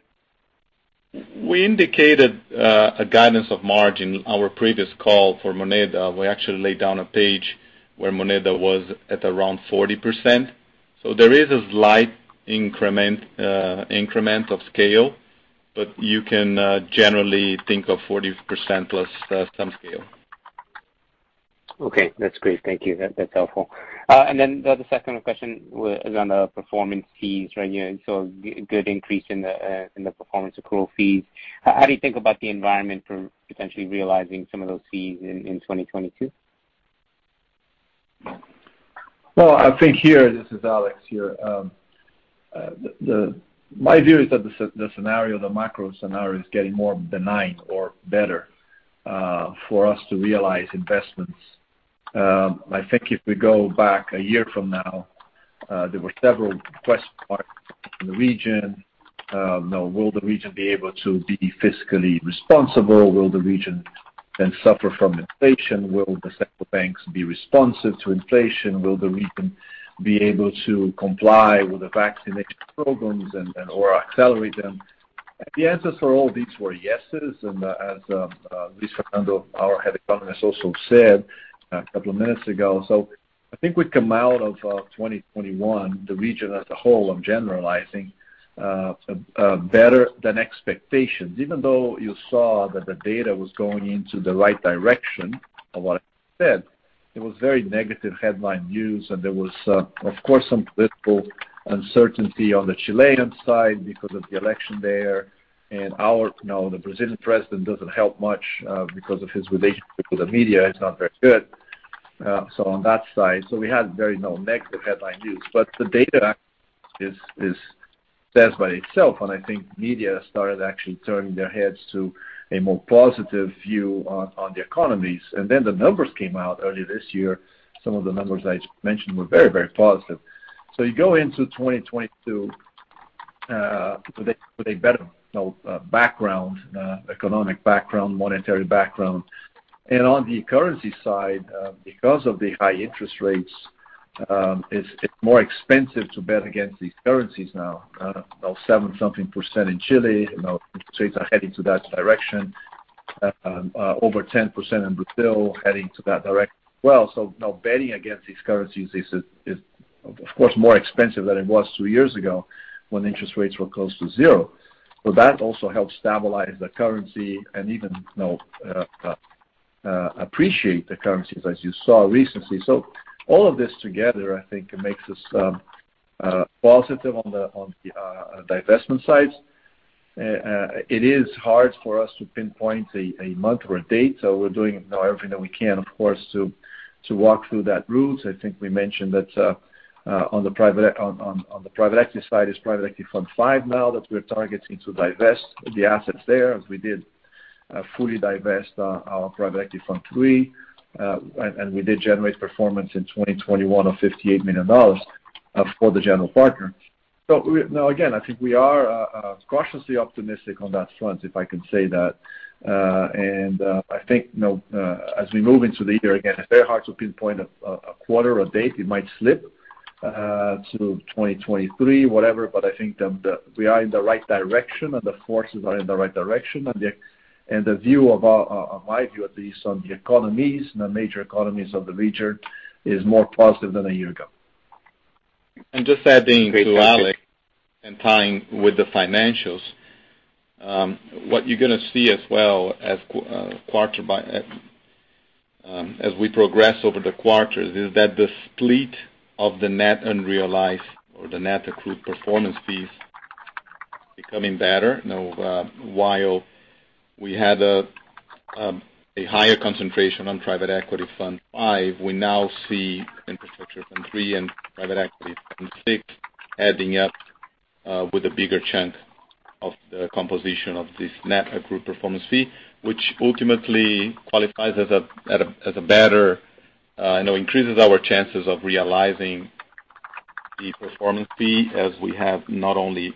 We indicated a guidance of margin. Our previous call for Moneda, we actually laid down a page where Moneda was at around 40%. There is a slight increment of scale, but you can generally think of 40% plus some scale. Okay. That's great. Thank you. That's helpful. The second question is on the performance fees, right? You know, you saw good increase in the performance accrual fees. How do you think about the environment for potentially realizing some of those fees in 2022? Well, I think here. This is Alexandre Saigh here. My view is that the scenario, the macro scenario is getting more benign or better, for us to realize investments. I think if we go back a year from now, there were several question marks in the region. Now, will the region be able to be fiscally responsible? Will the region then suffer from inflation? Will the central banks be responsive to inflation? Will the region be able to comply with the vaccination programs and or accelerate them? The answers for all these were yeses, and as Luis Fernando Lopes, our head economist, also said a couple of minutes ago. I think we come out of 2021, the region as a whole, I'm generalizing, better than expectations. Even though you saw that the data was going into the right direction of what I said, it was very negative headline news, and there was, of course, some political uncertainty on the Chilean side because of the election there. The Brazilian president doesn't help much, because of his relationship with the media is not very good. On that side, we had very no negative headline news, but the data stands by itself. I think media started actually turning their heads to a more positive view on the economies. Then the numbers came out earlier this year. Some of the numbers I just mentioned were very, very positive. You go into 2022 with a better background, economic background, monetary background. On the currency side, because of the high interest rates, it's more expensive to bet against these currencies now. 7-something% in Chile, you know, interest rates are heading to that direction. Over 10% in Brazil heading to that direction as well. Now betting against these currencies is of course more expensive than it was 2 years ago when interest rates were close to zero. That also helps stabilize the currency and even, you know, appreciate the currencies as you saw recently. All of this together, I think, makes us positive on the divestment side. It is hard for us to pinpoint a month or a date, so we're doing everything that we can, of course, to walk through that route. I think we mentioned that on the private equity side is Private Equity Fund V now that we're targeting to divest the assets there as we did fully divest our Private Equity Fund III. We did generate performance in 2021 of $58 million for the general partner. Now, again, I think we are cautiously optimistic on that front, if I can say that. I think you know as we move into the year, again, it's very hard to pinpoint a 1/4 or date. It might slip to 2023, whatever. I think we are in the right direction and the forces are in the right direction. The view of our... In my view, at least on the economies and the major economies of the region, is more positive than a year ago. Just adding to Alexandre and tying with the financials, what you're gonna see as well as 1/4 by 1/4, as we progress over the quarters, is that the split of the net unrealized or the net accrued performance fees becoming better. Now, while we had a higher concentration on Private Equity Fund V, we now see Infrastructure Fund III and Private Equity Fund VI adding up with a bigger chunk of the composition of this net accrued performance fee, which ultimately qualifies as a better, you know, increases our chances of realizing the performance fee as we have not only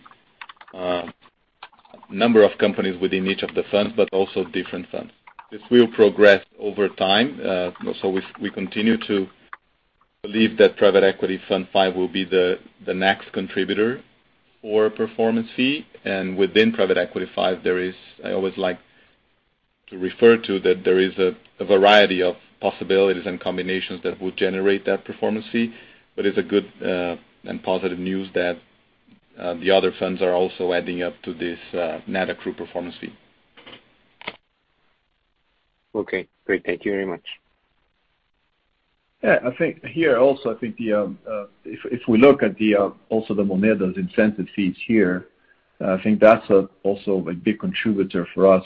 number of companies within each of the funds, but also different funds. This will progress over time. We continue to believe that Private Equity Fund V will be the next contributor for performance fee. Within Private Equity 5, there is I always like to refer to that there is a variety of possibilities and combinations that would generate that performance fee. It's a good and positive news that the other funds are also adding up to this net accrued performance fee. Okay, great. Thank you very much. I think here also if we look at also the Moneda's incentive fees here, I think that's also a big contributor for us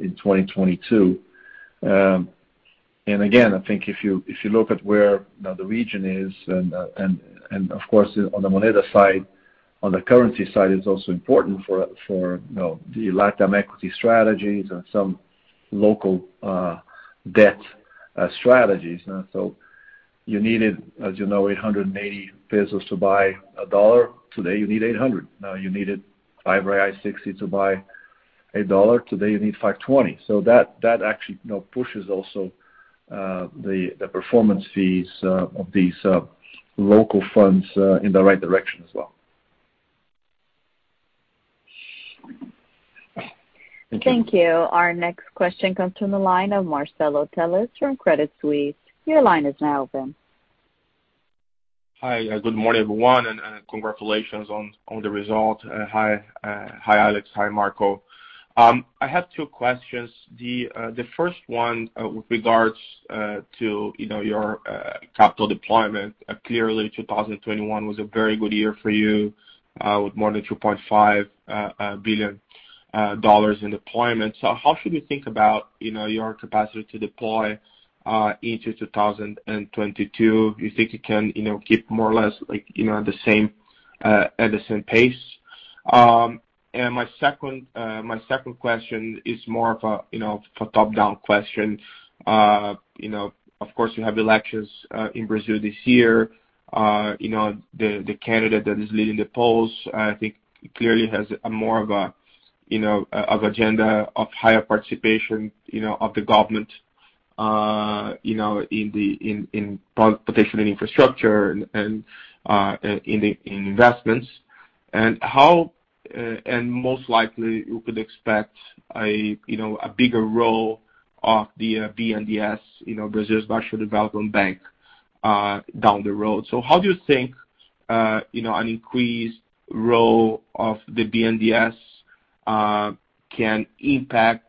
in 2022. I think if you look at where, you know, the region is and of course on the Moneda side, on the currency side is also important for, you know, the LatAm equity strategies and some local debt strategies. You needed, as you know, 880 pesos to buy a dollar. Today you need 800 CLP. Now, you needed 5.60 BRL to buy a dollar. Today you need 5.20 BRL. That actually, you know, pushes also the performance fees of these local funds in the right direction as well. Thank you. Thank you. Our next question comes from the line of Marcelo Telles from Credit Suisse. Your line is now open. Hi. Good morning, everyone, and congratulations on the result. Hi, Alexandre, hi Marco. I have 2 questions. The first one with regards to, you know, your capital deployment. Clearly 2021 was a very good year for you with more than $2.5 billion in deployment. So how should we think about, you know, your capacity to deploy into 2022? You think you can, you know, keep more or less like, you know, the same at the same pace? My second question is more of a, you know, top-down question. Of course, you have elections in Brazil this year. You know, the candidate that is leading the polls, I think clearly has more of an agenda of higher participation, you know, of the government, you know, in potentially in infrastructure and in investments. Most likely you could expect a bigger role of the BNDES, Brazil's National Development Bank, down the road. How do you think an increased role of the BNDES can impact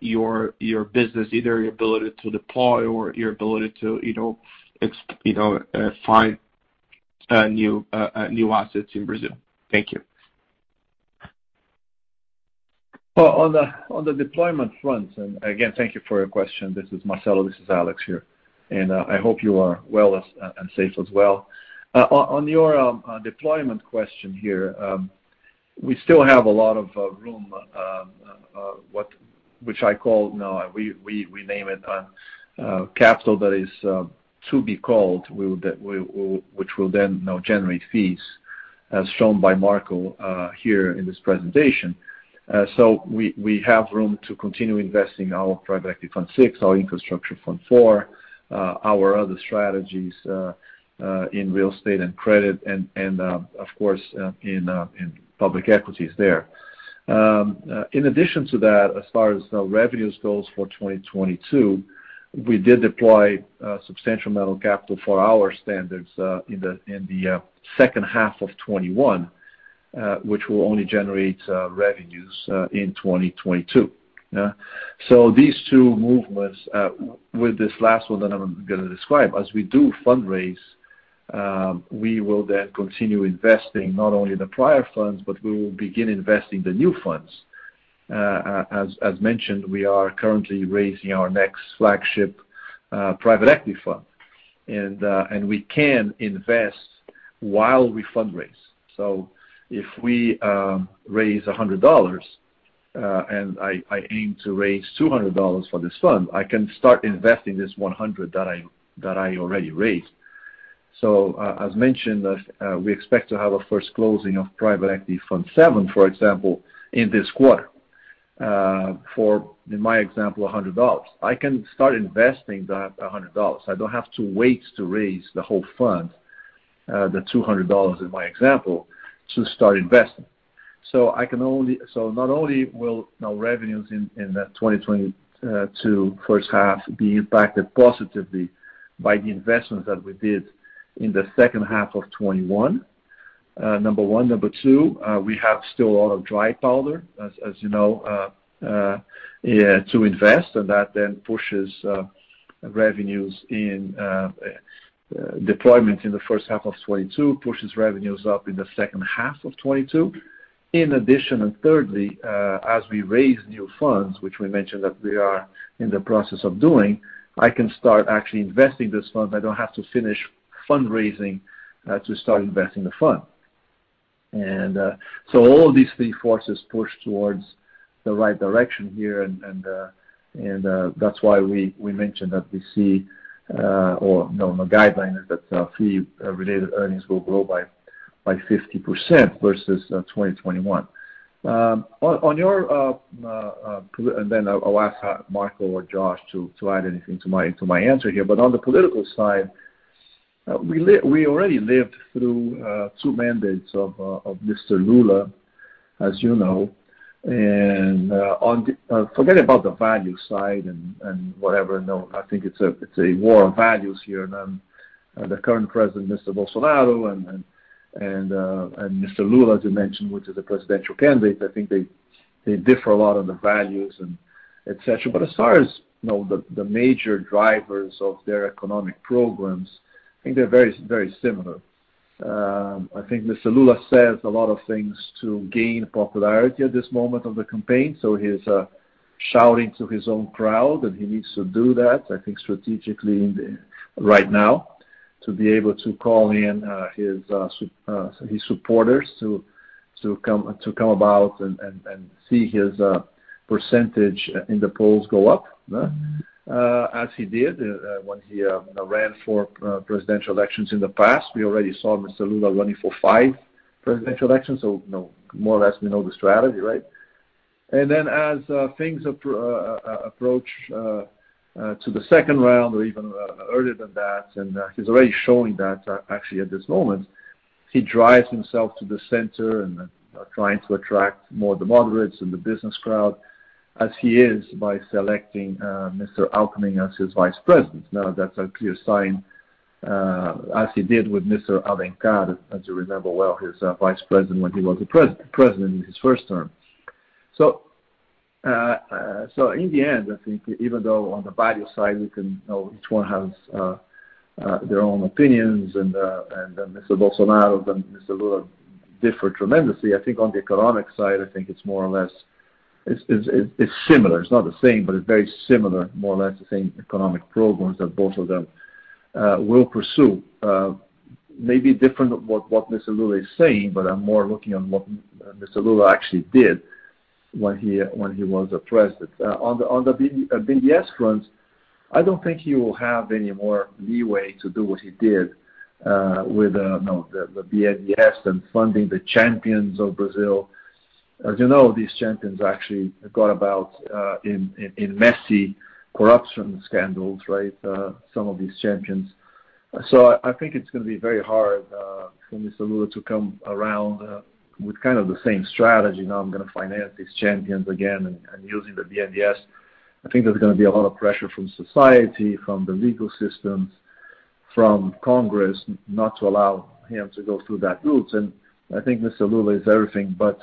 your business, either your ability to deploy or your ability to find new assets in Brazil? Thank you. Well, on the deployment front, again, thank you for your question. Marcelo, this is Alexandre here, and I hope you are well and safe as well. On your deployment question here, we still have a lot of room, which we now call capital that is to be called, which will then now generate fees as shown by Marco here in this presentation. We have room to continue investing our Private Equity Fund VI, our Infrastructure Fund IV, our other strategies in real estate and credit and, of course, in public equities there. In addition to that, as far as revenues goes for 2022, we did deploy substantial amount of capital for our strategies in the second 1/2 of 2021, which will only generate revenues in 2022. Yeah. These 2 movements with this last one that I'm gonna describe, as we do fundraise, we will then continue investing not only the prior funds, but we will begin investing the new funds. As mentioned, we are currently raising our next flagship private equity fund. We can invest while we fundraise. If we raise $100, and I aim to raise $200 for this fund, I can start investing this $100 that I already raised. As mentioned, we expect to have a first closing of Private Equity Fund VII, for example, in this 1/4, for, in my example, $100. I can start investing that $100. I don't have to wait to raise the whole fund, the $200 in my example, to start investing. Not only will our revenues in the 2022 first 1/2 be impacted positively by the investments that we did in the second 1/2 of 2021, number one. Number 2, we have still a lot of dry powder, as you know, to invest, and that then pushes revenues from deployment in the first 1/2 of 2022, pushes revenues up in the second 1/2 of 2022. In addition, thirdly, as we raise new funds, which we mentioned that we are in the process of doing, I can start actually investing these funds. I don't have to finish fundraising to start investing the fund. So all of these 3 forces push towards the right direction here and that's why we mentioned that we see no guidelines that Fee Related Earnings will grow by 50% versus 2021. And then I'll ask Marco or Josh to add anything to my answer here. On the political side, we already lived through 2 mandates of Mr. Lula, as you know. Forget about the value side and whatever. No, I think it's a war of values here. The current president, Mr. Bolsonaro, and Mr. Lula, as you mentioned, which is a presidential candidate, I think they differ a lot on the values and et cetera. But as far as, you know, the major drivers of their economic programs, I think they're very, very similar. I think Mr. Lula says a lot of things to gain popularity at this moment of the campaign, so he's shouting to his own crowd, and he needs to do that, I think, strategically right now to be able to call in his supporters to come about and see his percentage in the polls go up, as he did when he ran for presidential elections in the past. We already saw Mr. Lula running for 5 presidential elections, so, more or less, we know the strategy, right? As things approach to the second round or even earlier than that, he's already showing that actually at this moment, he drives himself to the center and trying to attract more of the moderates and the business crowd as he is by selecting Mr. Alckmin as his vice president. Now, that's a clear sign as he did with Mr. Alencar, as you remember well, his vice president when he was the president in his first term. In the end, I think even though on the value side, we can know each one has their own opinions, and Mr. Bolsonaro and Mr. Lula differ tremendously. I think on the economic side, I think it's more or less it's similar. It's not the same, but it's very similar, more or less the same economic programs that both of them will pursue. Maybe different what Mr. Lula is saying, but I'm more looking on what Mr. Lula actually did when he was the president. On the BNDES front, I don't think he will have any more leeway to do what he did with you know, the BNDES and funding the champions of Brazil. As you know, these champions actually got involved in messy corruption scandals, right? Some of these champions. So I think it's gonna be very hard for Mr. Lula to come around with kind of the same strategy. Now I'm gonna finance these champions again and using the BNDES. I think there's gonna be a lot of pressure from society, from the legal systems, from Congress, not to allow him to go through that route. I think Mr. Lula is everything but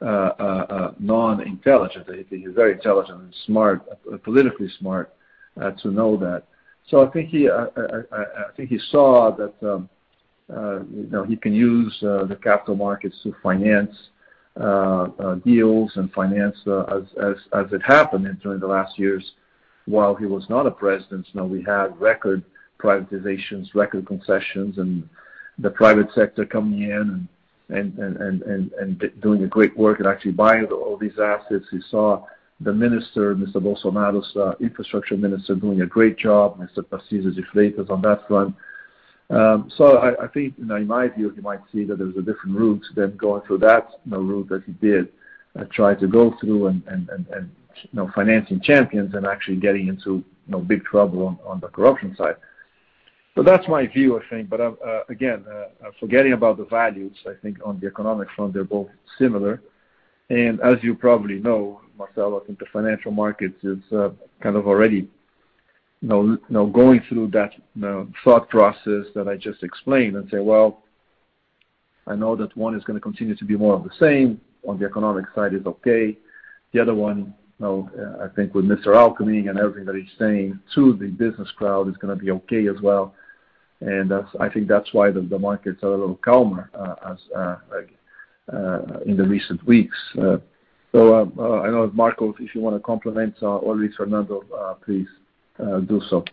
Non-intelligent. He's very intelligent and smart, politically smart, to know that. I think he saw that, you know, he can use the capital markets to finance deals and finance, as it happened during the last years while he was not a president. Now we have record privatizations, record concessions, and the private sector coming in and doing a great work and actually buying all these assets. We saw the minister, Mr. Bolsonaro's infrastructure minister doing a great job, Mr. Tarcísio de Freitas on that front. I think, you know, in my view, he might see that there's a different route than going through that, you know, route that he did try to go through and you know, financing campaigns and actually getting into, you know, big trouble on the corruption side. That's my view, I think. Again, forgetting about the values, I think on the economic front, they're both similar. As you probably know, Marcelo, I think the financial markets is kind of already, you know, going through that, you know, thought process that I just explained and say, "Well, I know that one is gonna continue to be more of the same. On the economic side it's okay." The other one, you know, I think with Mr. Alckmin and everything that he's saying to the business crowd is gonna be okay as well. I think that's why the markets are a little calmer in the recent weeks. I know, Marco, if you wanna complement or Luis Fernando Lopes, please do so.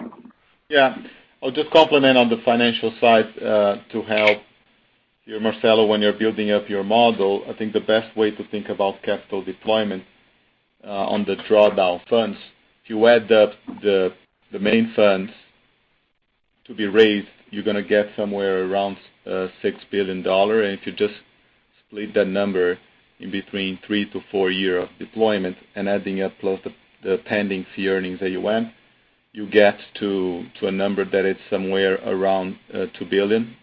I'll just comment on the financial side to help you, Marcelo, when you're building up your model. I think the best way to think about capital deployment on the drawdown funds, if you add up the main funds to be raised, you're gonna get somewhere around $6 billion. If you just split that number in between 3-4 years of deployment and adding up close to the Fee-Earning AUM, you get to a number that is somewhere around $2 billion.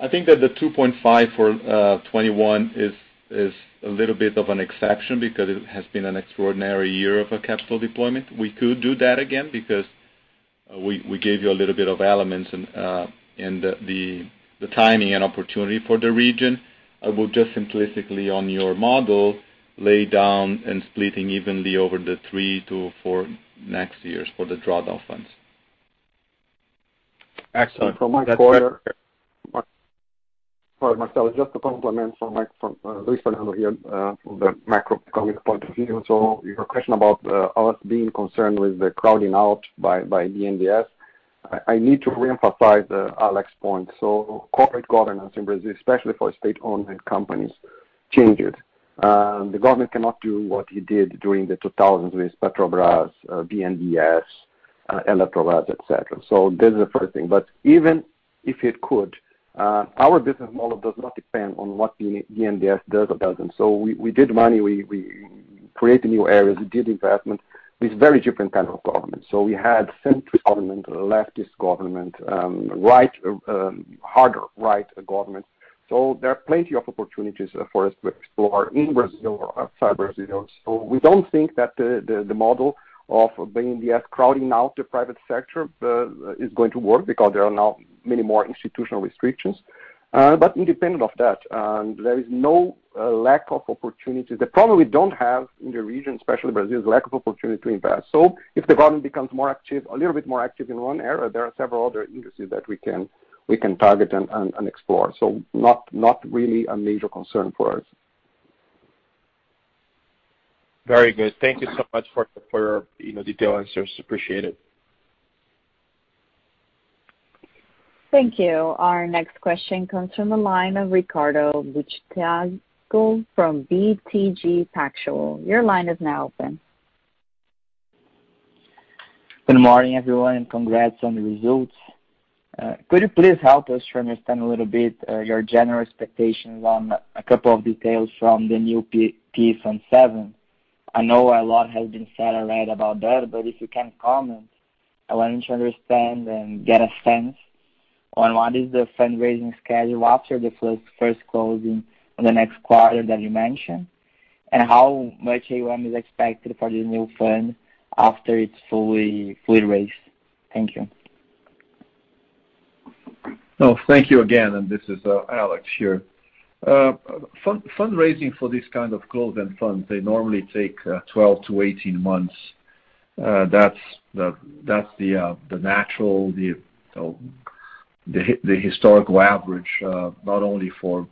I think that the $2.5 for 2021 is a little bit of an exception because it has been an extraordinary year of capital deployment. We could do that again because we gave you a little bit of elements and the timing and opportunity for the region. I will just simplistically, on your model, lay out, splitting evenly over the next 3-4 years for the drawdown funds. Excellent. From my point- That's better. Sorry, Marcelo, just to complement from Luis Fernando Lopes here, from the macroeconomic point of view. Your question about us being concerned with the crowding out by BNDES, I need to reemphasize Alexandre's point. Corporate governance in Brazil, especially for state-owned companies, changed. The government cannot do what it did during the 2000s with Petrobras, BNDES, Eletrobras, et cetera. This is the first thing. But even if it could, our business model does not depend on what the BNDES does or doesn't. We raised money. We created new areas. We did investments with very different kind of governments. We had centrist government, leftist government, right, harder right government. There are plenty of opportunities for us to explore in Brazil or outside Brazil. We don't think that the model of BNDES crowding out the private sector is going to work because there are now many more institutional restrictions. Independent of that, there is no lack of opportunity. The problem we don't have in the region, especially Brazil, is lack of opportunity to invest. If the government becomes more active, a little bit more active in one area, there are several other industries that we can target and explore. Not really a major concern for us. Very good. Thank you so much for you know, detailed answers. Appreciate it. Thank you. Our next question comes from the line of Ricardo Buchpiguel from BTG Pactual. Your line is now open. Good morning, everyone, and congrats on the results. Could you please help us to understand a little bit, your general expectations on a couple of details from the new Private Equity Fund VII? I know a lot has been said already about that, but if you can comment, I wanted to understand and get a sense on what is the fundraising schedule after the first closing in the next 1/4 that you mentioned, and how much AUM is expected for the new fund after it's fully raised. Thank you. Oh, thank you again, and this is Alexandre here. Fundraising for this kind of closed-end fund, they normally take 12-18 months. That's the natural, you know, the historical average, not only for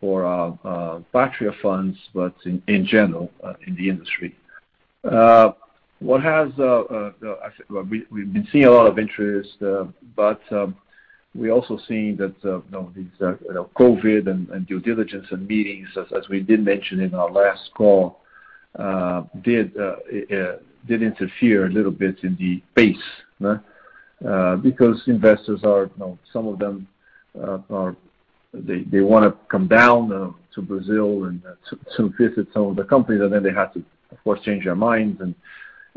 Patria Funds, but in general in the industry. I think we've been seeing a lot of interest, but we're also seeing that, you know, these COVID and due diligence and meetings, as we did mention in our last call, did interfere a little bit in the pace, because investors, you know, some of them wanna come down to Brazil and to visit some of the companies, and then they had to, of course, change their minds and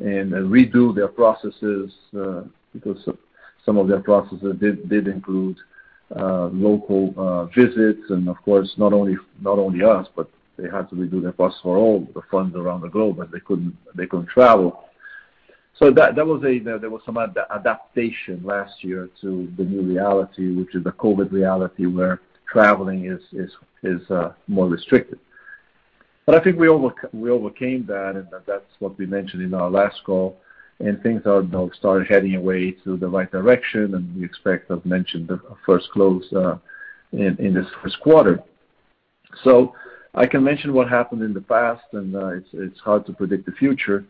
redo their processes, because some of their processes did include local visits. Of course, not only us, but they had to redo their process for all the funds around the globe, and they couldn't travel. There was some adaptation last year to the new reality, which is the COVID reality, where traveling is more restricted. I think we overcame that, and that's what we mentioned in our last call, and things are, you know, started heading in the right direction, and we expect, as mentioned, the first close in this first 1/4. I can mention what happened in the past, and it's hard to predict the future.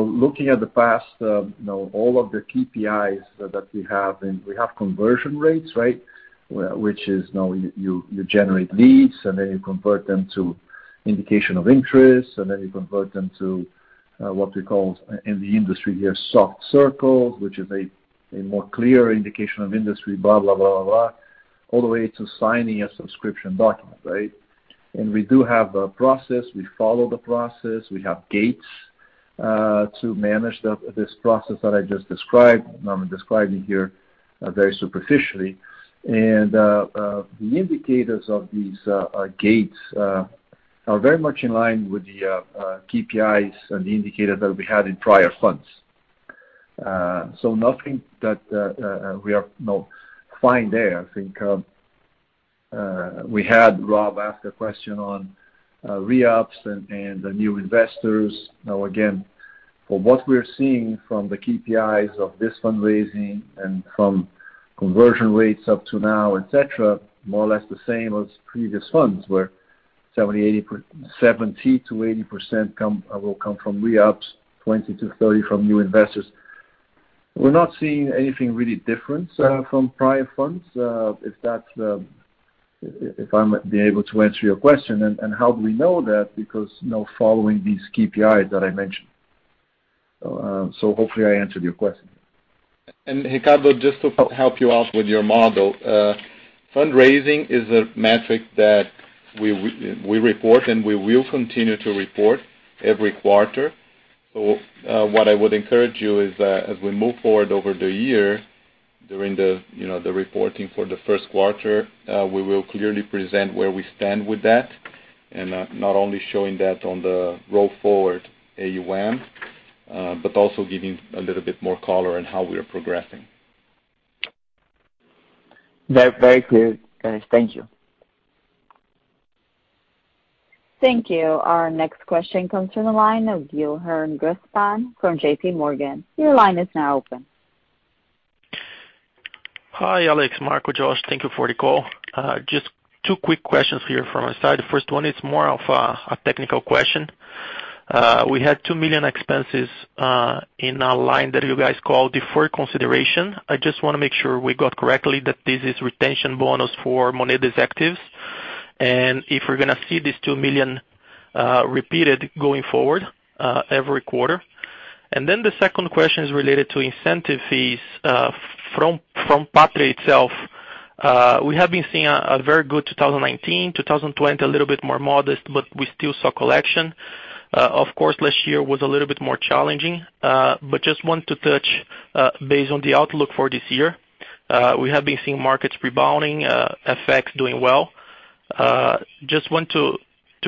Looking at the past, you know, all of the KPIs that we have, and we have conversion rates, right? Which is now you generate leads, and then you convert them to indication of interest, and then you convert them to what we call in the industry here, soft circles, which is a more clear indication of interest, blah, blah, blah, all the way to signing a subscription document, right? We do have a process. We follow the process. We have gates to manage this process that I just described. Now, I'm describing here very superficially. The indicators of these gates are very much in line with the KPIs and the indicators that we had in prior funds. So nothing that we are. You know, fine there. I think we had Ricardo ask a question on re-ups and the new investors. Now, again, from what we're seeing from the KPIs of this fundraising and from conversion rates up to now, et cetera, more or less the same as previous funds, where 70%-80% will come from re-ups, 20%-30% from new investors. We're not seeing anything really different from prior funds, if that's the answer to your question. If I'm able to answer your question. How do we know that? Because, you know, following these KPIs that I mentioned. Hopefully I answered your question. Ricardo, just to help you out with your model, fundraising is a metric that we report and we will continue to report every 1/4. What I would encourage you is that as we move forward over the year during the, you know, the reporting for the first 1/4, we will clearly present where we stand with that, and not only showing that on the roll forward AUM, but also giving a little bit more color on how we are progressing. Very clear, guys. Thank you. Thank you. Our next question comes from the line of Yuri Fernandes from J.P. Morgan. Your line is now open. Hi, Alexandre, Marco, Josh. Thank you for the call. Just 2 quick questions here from my side. The first one is more of a technical question. We had $2 million expenses in a line that you guys call deferred consideration. I just wanna make sure we got correctly that this is retention bonus for Moneda's executives, and if we're gonna see this $2 million repeated going forward every 1/4. The second question is related to incentive fees from Patria itself. We have been seeing a very good 2019, 2020, a little bit more modest, but we still saw collection. Of course, last year was a little bit more challenging. Just want to touch base based on the outlook for this year. We have been seeing markets rebounding, FX doing well. Just want to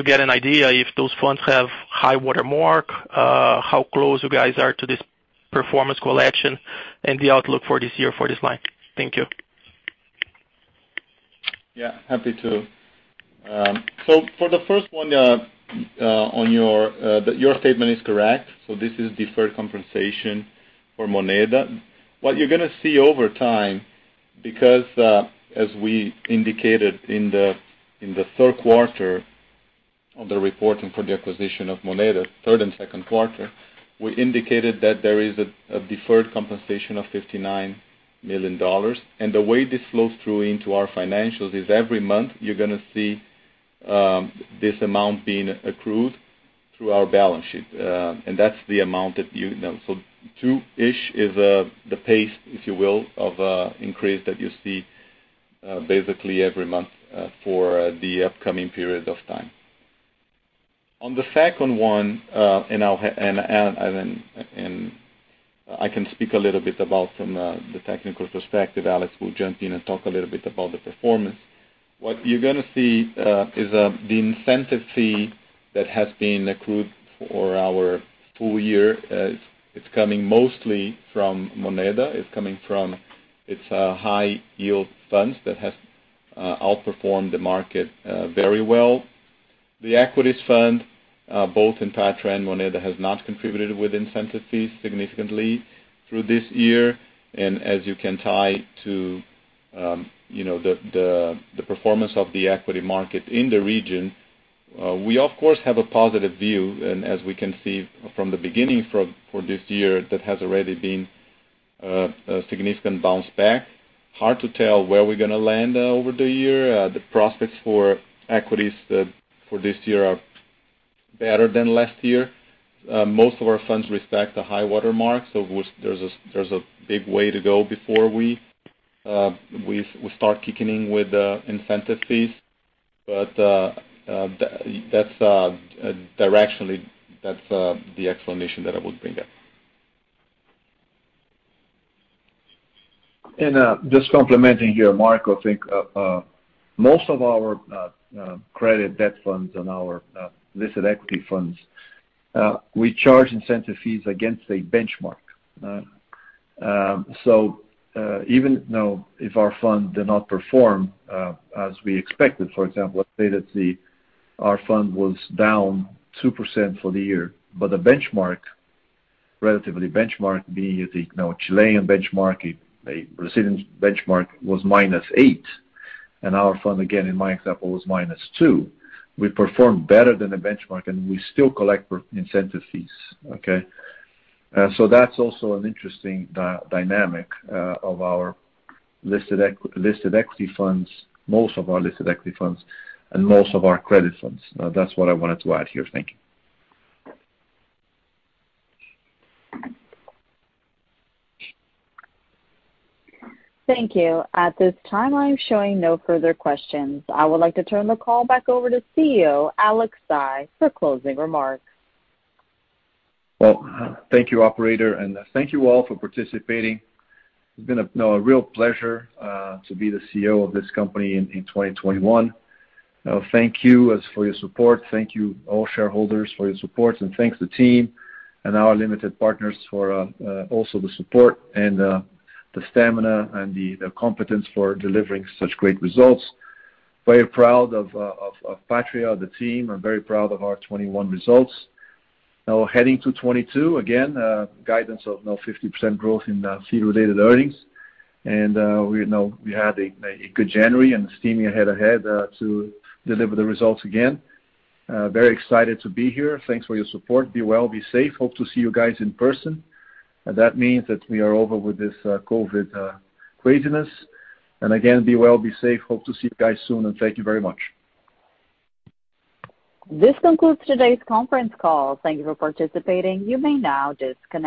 get an idea if those funds have high-water mark, how close you guys are to this performance collection and the outlook for this year for this line. Thank you. Yeah. Happy to. For the first one, your statement is correct. This is deferred compensation for Moneda. What you're gonna see over time, because as we indicated in the 1/3 1/4 of the reporting for the acquisition of Moneda, 1/3 and second 1/4, we indicated that there is a deferred compensation of $59 million. The way this flows through into our financials is every month you're gonna see this amount being accrued through our balance sheet. That's the amount that you know, 2-ish is the pace, if you will, of increase that you see basically every month for the upcoming period of time. On the second one, I can speak a little bit about from the technical perspective. Alexandre will jump in and talk a little bit about the performance. What you're gonna see is the incentive fee that has been accrued for our full year. It's coming mostly from Moneda. It's coming from its high yield funds that has outperformed the market very well. The equities fund both in Patria and Moneda has not contributed with incentive fees significantly through this year, and as you can tie to the performance of the equity market in the region. We of course have a positive view, and as we can see from the beginning for this year, that has already been a significant bounce back. Hard to tell where we're gonna land over the year. The prospects for equities for this year are better than last year. Most of our funds respect the high-water mark, so there's a big way to go before we start kicking in with the incentive fees. That's directionally that's the explanation that I would bring up. Just complementing here, Marco, I think most of our credit and debt funds and our listed equity funds we charge incentive fees against a benchmark. Even now if our fund did not perform as we expected, for example, let's say that our fund was down 2% for the year, but the benchmark, the relative benchmark being the Chilean benchmark, a Brazilian benchmark was -8%, and our fund, again, in my example, was -2%. We performed better than the benchmark, and we still collect performance incentive fees. That's also an interesting dynamic of our listed equity funds, most of our listed equity funds and most of our credit funds. Now that's what I wanted to add here. Thank you. Thank you. At this time, I am showing no further questions. I would like to turn the call back over to CEO Alexandre Saigh for closing remarks. Well, thank you, operator, and thank you all for participating. It's been, you know, a real pleasure to be the CEO of this company in 2021. Thank you all for your support. Thank you all shareholders for your support, and thanks to the team and our limited partners for the support and the stamina and the competence for delivering such great results. Very proud of Patria, the team. I'm very proud of our 2021 results. Now heading to 2022, again, guidance of 50% growth in the fee-related earnings. We had a good January and steaming ahead to deliver the results again. Very excited to be here. Thanks for your support. Be well, be safe. Hope to see you guys in person. That means that we are over with this COVID craziness. Again, be well, be safe. Hope to see you guys soon, and thank you very much. This concludes today's conference call. Thank you for participating. You may now disconnect.